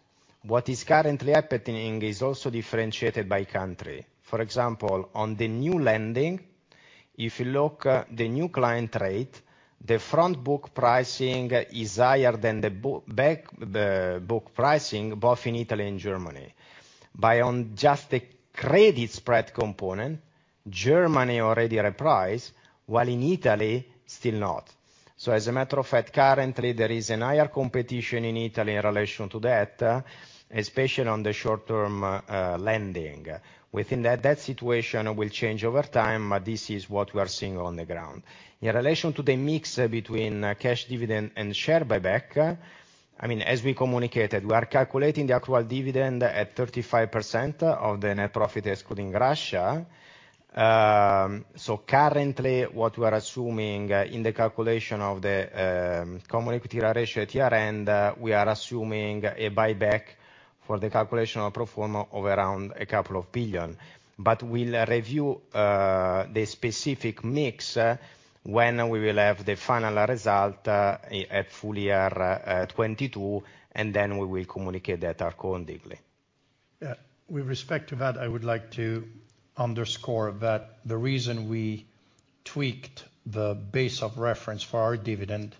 What is currently happening is also differentiated by country. For example, on the new lending, if you look, the new client rate, the front book pricing is higher than the back book pricing, both in Italy and Germany. On just the credit spread component, Germany already repriced, while in Italy, still not. As a matter of fact, currently, there is a higher competition in Italy in relation to that, especially on the short-term lending. Within that situation will change over time, but this is what we are seeing on the ground. In relation to the mix between cash dividend and share buyback, I mean, as we communicated, we are calculating the actual dividend at 35% of the net profit excluding Russia. Currently, what we are assuming in the calculation of the common equity ratio at year-end, we are assuming a buyback for the calculation of pro forma of around 2 billion. We'll review the specific mix when we will have the final result at full year 2022, and then we will communicate that accordingly. Yeah. With respect to that, I would like to underscore that the reason we tweaked the base of reference for our dividend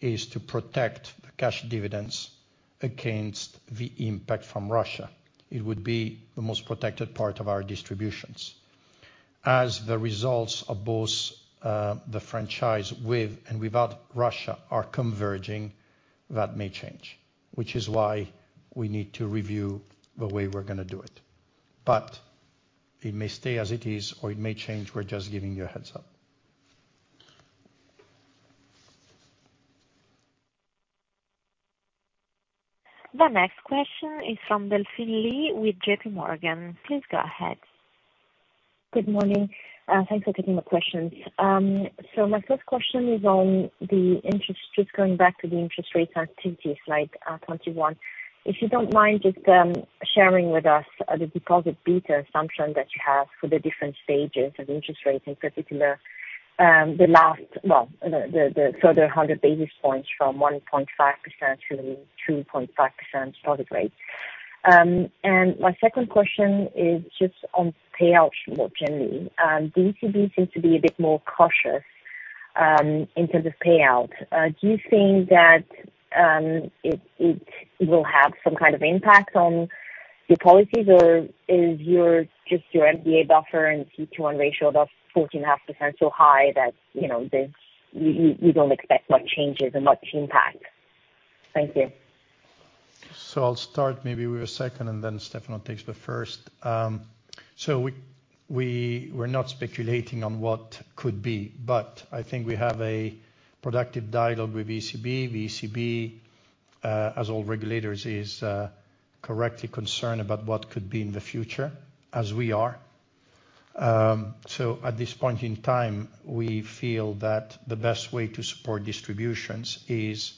is to protect the cash dividends against the impact from Russia. It would be the most protected part of our distributions. As the results of both, the franchise with and without Russia are converging, that may change, which is why we need to review the way we're gonna do it. It may stay as it is, or it may change. We're just giving you a heads-up. The next question is from Delphine Lee with JPMorgan. Please go ahead. Good morning. Thanks for taking my questions. My first question is on the interest, just going back to the interest rate sensitivity slide, 21. If you don't mind just sharing with us the deposit beta assumption that you have for the different stages of interest rates, in particular, the 100 basis points from 1.5% to 2.5% target rate. My second question is just on payouts more generally. The ECB seems to be a bit more cautious in terms of payout. Do you think that it will have some kind of impact on your policies, or is just your MDA buffer and CET1 ratio of 14.5% so high that, you know, you don't expect much changes and much impact? Thank you. I'll start maybe with the second, and then Stefano takes the first. We're not speculating on what could be, but I think we have a productive dialogue with ECB. ECB, as all regulators, is correctly concerned about what could be in the future, as we are. At this point in time, we feel that the best way to support distributions is,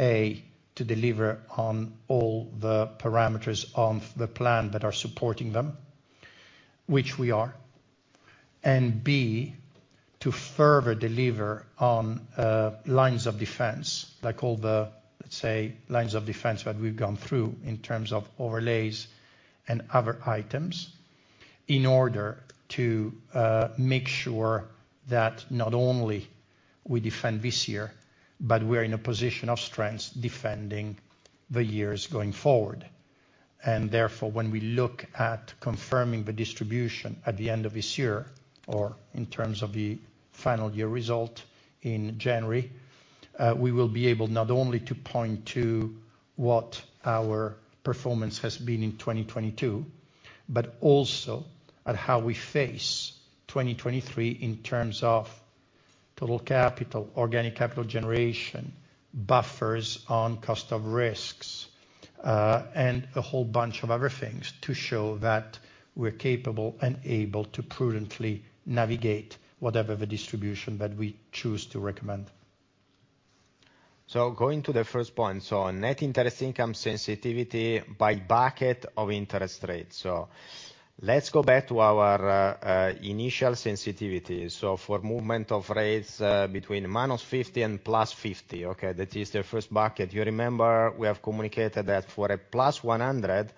A, to deliver on all the parameters of the plan that are supporting them, which we are, and B, to further deliver on lines of defense, like all the, let's say, lines of defense that we've gone through in terms of overlays and other items, in order to make sure that not only we defend this year, but we're in a position of strength defending the years going forward. Therefore, when we look at confirming the distribution at the end of this year, or in terms of the final year result in January, we will be able not only to point to what our performance has been in 2022, but also at how we face 2023 in terms of total capital, organic capital generation, buffers on cost of risks, and a whole bunch of other things to show that we're capable and able to prudently navigate whatever the distribution that we choose to recommend. Going to the first point. Net interest income sensitivity by bucket of interest rates. Let's go back to our initial sensitivity. For movement of rates between -50 and +50, okay? That is the first bucket. You remember we have communicated that for a +100,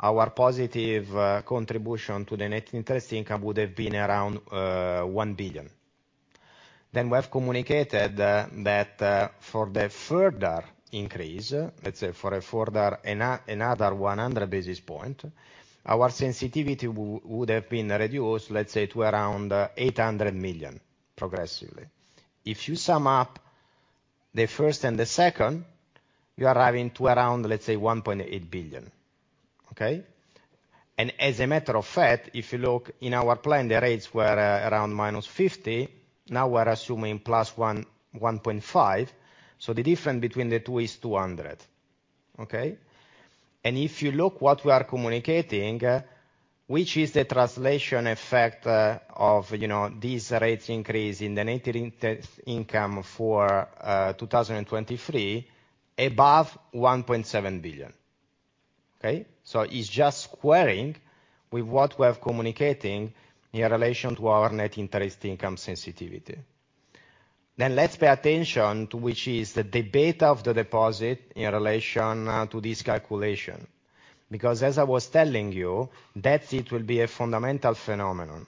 our positive contribution to the net interest income would have been around 1 billion. Then we have communicated that for the further increase, let's say for a further 100 basis points, our sensitivity would have been reduced, let's say, to around 800 million progressively. If you sum up the first and the second, you are adding up to around, let's say, 1.8 billion. Okay? As a matter of fact, if you look in our plan, the rates were around -50. Now we are assuming +1.5. The difference between the two is 200. Okay? If you look what we are communicating, which is the translation effect, you know, of these rate increases in the net interest income for 2023 above 1.7 billion. Okay? It's just squaring with what we are communicating in relation to our net interest income sensitivity. Let's pay attention to which is the beta of the deposit in relation to this calculation. Because as I was telling you, that it will be a fundamental phenomenon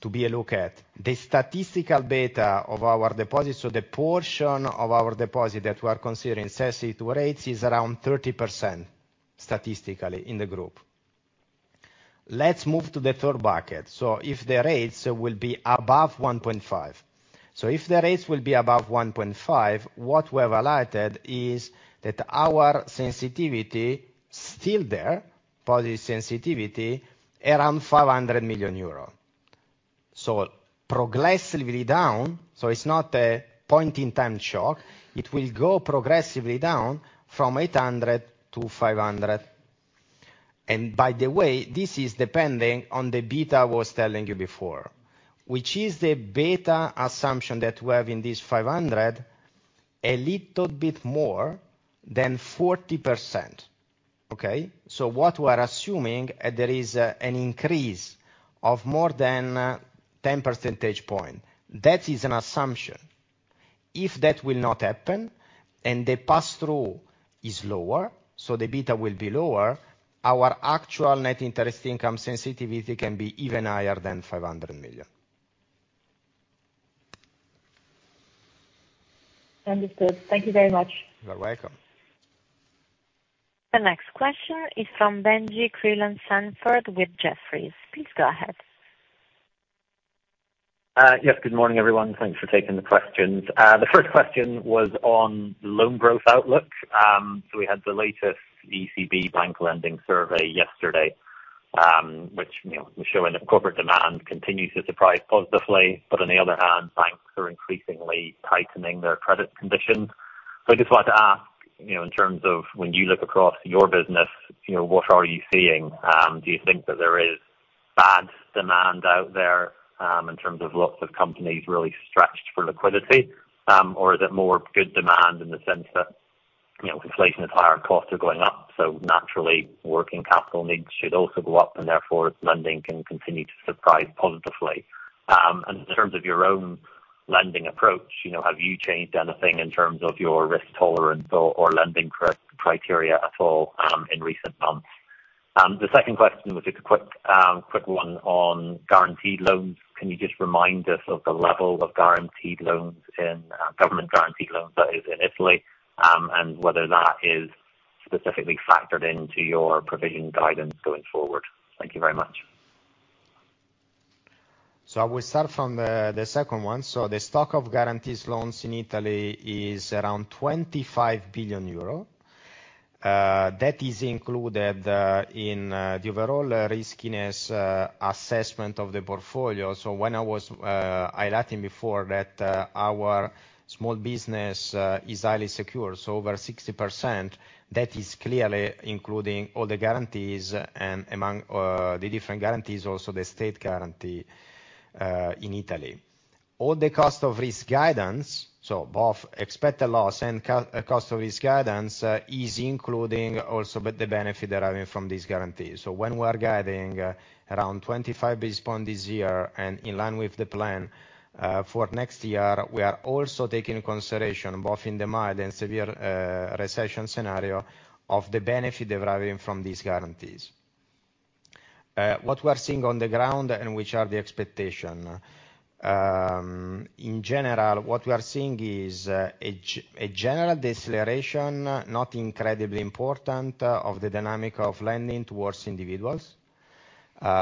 to look at. The statistical data of our deposits or the portion of our deposit that we are considering sensitive to rates is around 30% statistically in the group. Let's move to the third bucket. If the rates will be above 1.5, what we've highlighted is that our sensitivity is still there, positive sensitivity, around EUR 500 million. Progressively down, it's not a point in time shock. It will go progressively down from 800 to 500. By the way, this is depending on the beta I was telling you before. Which is the beta assumption that we have in this 500, a little bit more than 40%. Okay? What we're assuming, there is an increase of more than 10 percentage point. That is an assumption. If that will not happen and the pass-through is lower, the beta will be lower, our actual net interest income sensitivity can be even higher than 500 million. Understood. Thank you very much. You're welcome. The next question is from Benji Creelan-Sandford with Jefferies. Please go ahead. Yes. Good morning, everyone. Thanks for taking the questions. The first question was on loan growth outlook. We had the latest ECB bank lending survey yesterday, which, you know, was showing that corporate demand continues to surprise positively. On the other hand, banks are increasingly tightening their credit conditions. I just wanted to ask, you know, in terms of when you look across your business, you know, what are you seeing? Do you think that there is bad demand out there, in terms of lots of companies really stretched for liquidity? Is it more good demand in the sense that, you know, inflation is higher, costs are going up, so naturally working capital needs should also go up, and therefore lending can continue to surprise positively. In terms of your own lending approach, you know, have you changed anything in terms of your risk tolerance or lending criteria at all in recent months? The second question was just a quick one on guaranteed loans. Can you just remind us of the level of guaranteed loans in government guaranteed loans, that is, in Italy, and whether that is specifically factored into your provision guidance going forward? Thank you very much. I will start from the second one. The stock of guaranteed loans in Italy is around 25 billion euro. That is included in the overall riskiness assessment of the portfolio. When I was highlighting before that, our small business is highly secure, so over 60%, that is clearly including all the guarantees and among the different guarantees, also the state guarantee in Italy. All the cost of risk guidance, both expected loss and cost of risk guidance, is including also the benefit deriving from these guarantees. When we are guiding around 25 basis points this year and in line with the plan for next year, we are also taking consideration, both in the mild and severe recession scenario, of the benefit deriving from these guarantees. What we are seeing on the ground and which are the expectations. In general, what we are seeing is a general deceleration, not incredibly important, of the dynamic of lending towards individuals,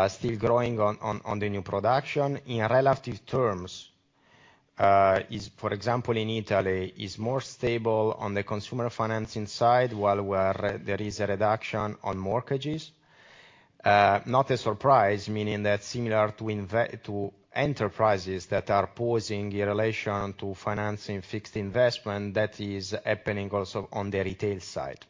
still growing on the new production. In relative terms, for example in Italy, is more stable on the consumer financing side, while there is a reduction on mortgages. Not a surprise, meaning that similar to enterprises that are pausing in relation to financing fixed investment, that is happening also on the retail side.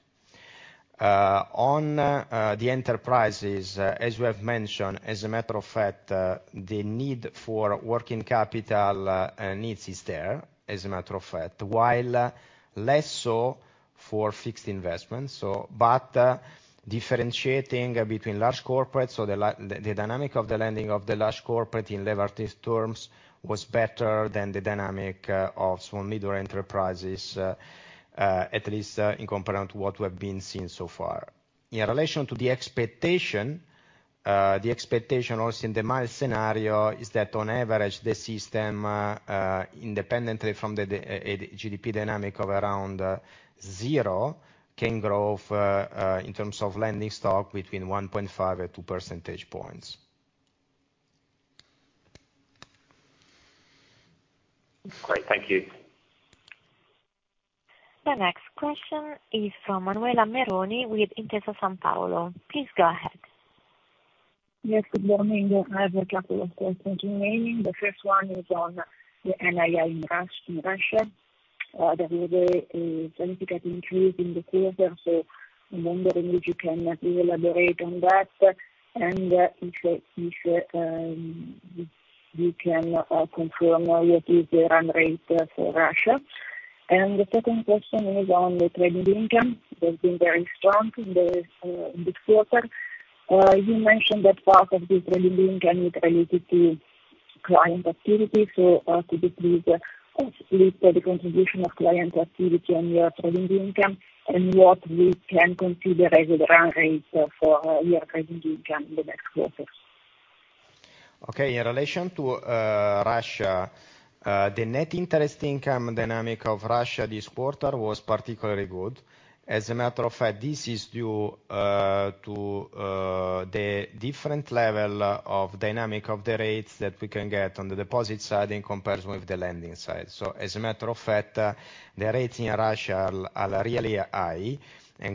On the enterprises, as we have mentioned, as a matter of fact, the need for working capital needs is there, as a matter of fact, while less so for fixed investments. Differentiating between large corporates. So the la... The dynamic of the lending of the large corporate in relative terms was better than the dynamic of small and medium enterprises, at least in comparison to what we have been seeing so far. In relation to the expectation, the expectation also in the mild scenario is that on average, the system, independently from the GDP dynamic of around zero, can grow in terms of lending stock between 1.5 and two percentage points. Great. Thank you. The next question is from Manuela Meroni with Intesa Sanpaolo. Please go ahead. Yes, good morning. I have a couple of questions remaining. The first one is on the NII in Russia. There was a significant increase in the quarter, so I'm wondering if you can elaborate on that. If you can confirm what is the run rate for Russia. The second question is on the trading income. It has been very strong in this quarter. You mentioned that part of this trading income is related to client activity. Could you please split the contribution of client activity on your trading income and what we can consider as a run rate for your trading income in the next quarters. Okay. In relation to Russia, the net interest income dynamic of Russia this quarter was particularly good. As a matter of fact, this is due to the different level of dynamic of the rates that we can get on the deposit side in comparison with the lending side. As a matter of fact, the rates in Russia are really high.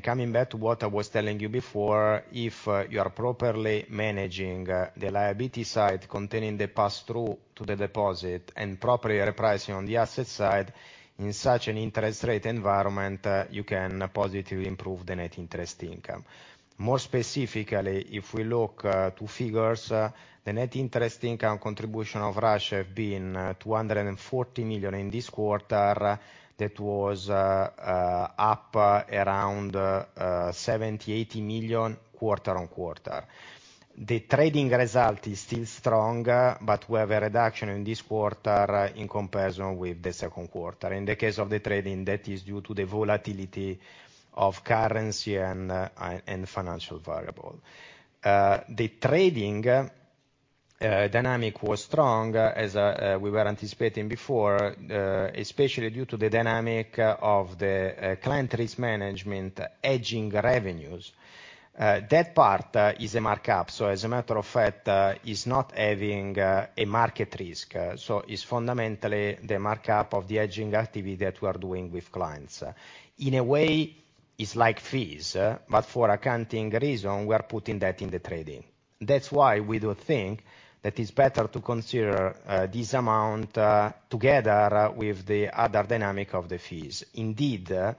Coming back to what I was telling you before, if you are properly managing the liability side, containing the pass-through to the deposit and properly repricing on the asset side, in such an interest rate environment, you can positively improve the net interest income. More specifically, if we look to figures, the net interest income contribution of Russia have been 240 million in this quarter. That was up around 70-80 million quarter-on-quarter. The trading result is still strong, but we have a reduction in this quarter, in comparison with the second quarter. In the case of the trading, that is due to the volatility of currency and financial variable. The trading dynamic was strong, as we were anticipating before, especially due to the dynamic of the client risk management hedging revenues. That part is a markup. So as a matter of fact, is not having a market risk. So it's fundamentally the markup of the hedging activity that we are doing with clients. In a way it's like fees, but for accounting reason, we are putting that in the trading. That's why we do think that it's better to consider this amount together with the other dynamic of the fees. Indeed,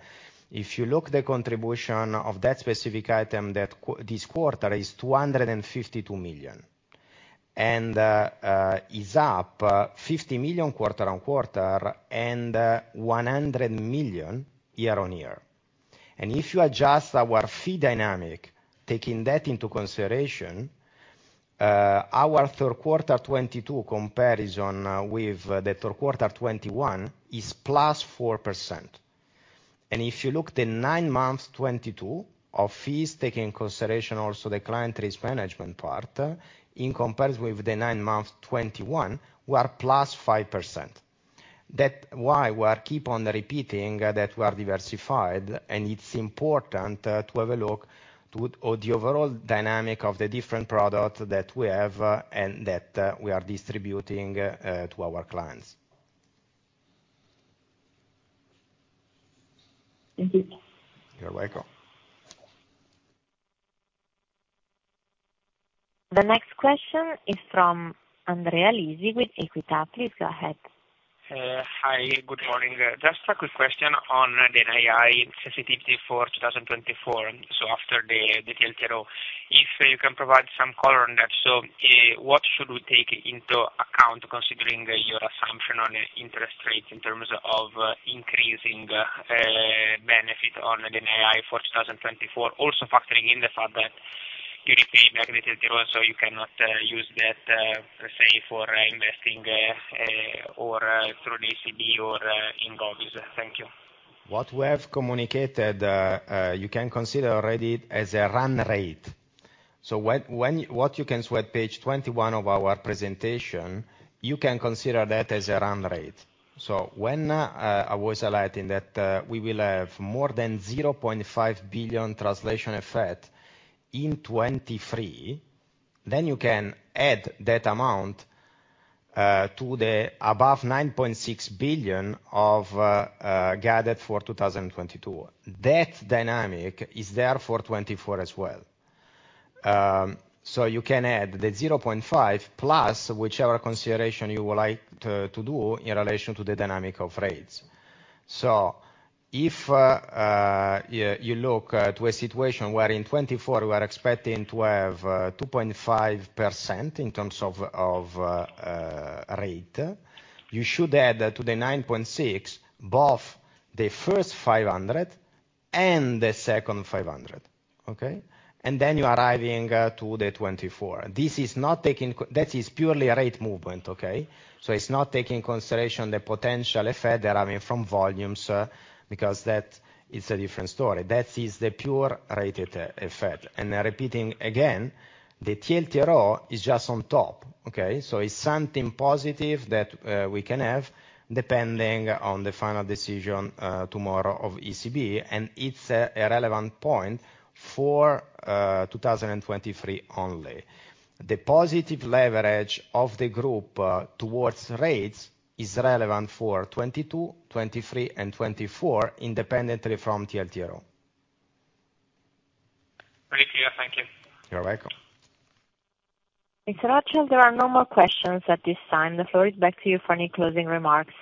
if you look at the contribution of that specific item that this quarter is 252 million. It is up 50 million quarter-on-quarter and 100 million year-on-year. If you adjust our fee dynamic, taking that into consideration, our third quarter 2022 comparison with the third quarter 2021 is +4%. If you look at the nine months 2022 of fees, taking into consideration also the client risk management part, in comparison with the nine months 2021, we are +5%. That's why we keep on repeating that we are diversified, and it's important to have a look to the overall dynamic of the different product that we have, and that we are distributing to our clients. Thank you. You're welcome. The next question is from Andrea Lisi with Equita. Please go ahead. Hi, good morning. Just a quick question on the NII sensitivity for 2024, so after the TLTRO. If you can provide some color on that. What should we take into account considering your assumption on interest rates in terms of increasing benefit on the NII for 2024, also factoring in the fact that you repaid the TLTRO, so you cannot use that per se for investing or through the ECB or in govies. Thank you. What we have communicated, you can consider already as a run rate. What you can see at page 21 of our presentation, you can consider that as a run rate. I was highlighting that we will have more than 0.5 billion translation effect in 2023, then you can add that amount to the above 9.6 billion guided for 2022. That dynamic is there for 2024 as well. You can add the 0.5 plus whichever consideration you would like to do in relation to the dynamic of rates. If you look to a situation where in 2024 we are expecting to have 2.5% in terms of rate, you should add that to the 9.6, both the first 500 and the second 500. Okay? You're arriving to the 24. This is not taking. That is purely a rate movement, okay? It's not taking consideration the potential effect deriving from volumes, because that is a different story. That is the pure rate effect. Repeating again, the TLTRO is just on top, okay? It's something positive that we can have, depending on the final decision tomorrow of ECB, and it's a relevant point for 2023 only. The positive leverage of the group, towards rates is relevant for 2022, 2023 and 2024, independently from TLTRO. Very clear. Thank you. You're welcome. Mr. Orcel, there are no more questions at this time. The floor is back to you for any closing remarks.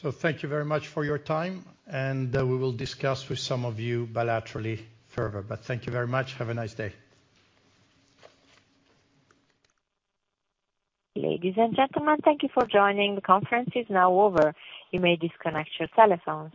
Thank you very much for your time, and we will discuss with some of you bilaterally further. Thank you very much. Have a nice day. Ladies and gentlemen, thank you for joining. The conference is now over. You may disconnect your telephones.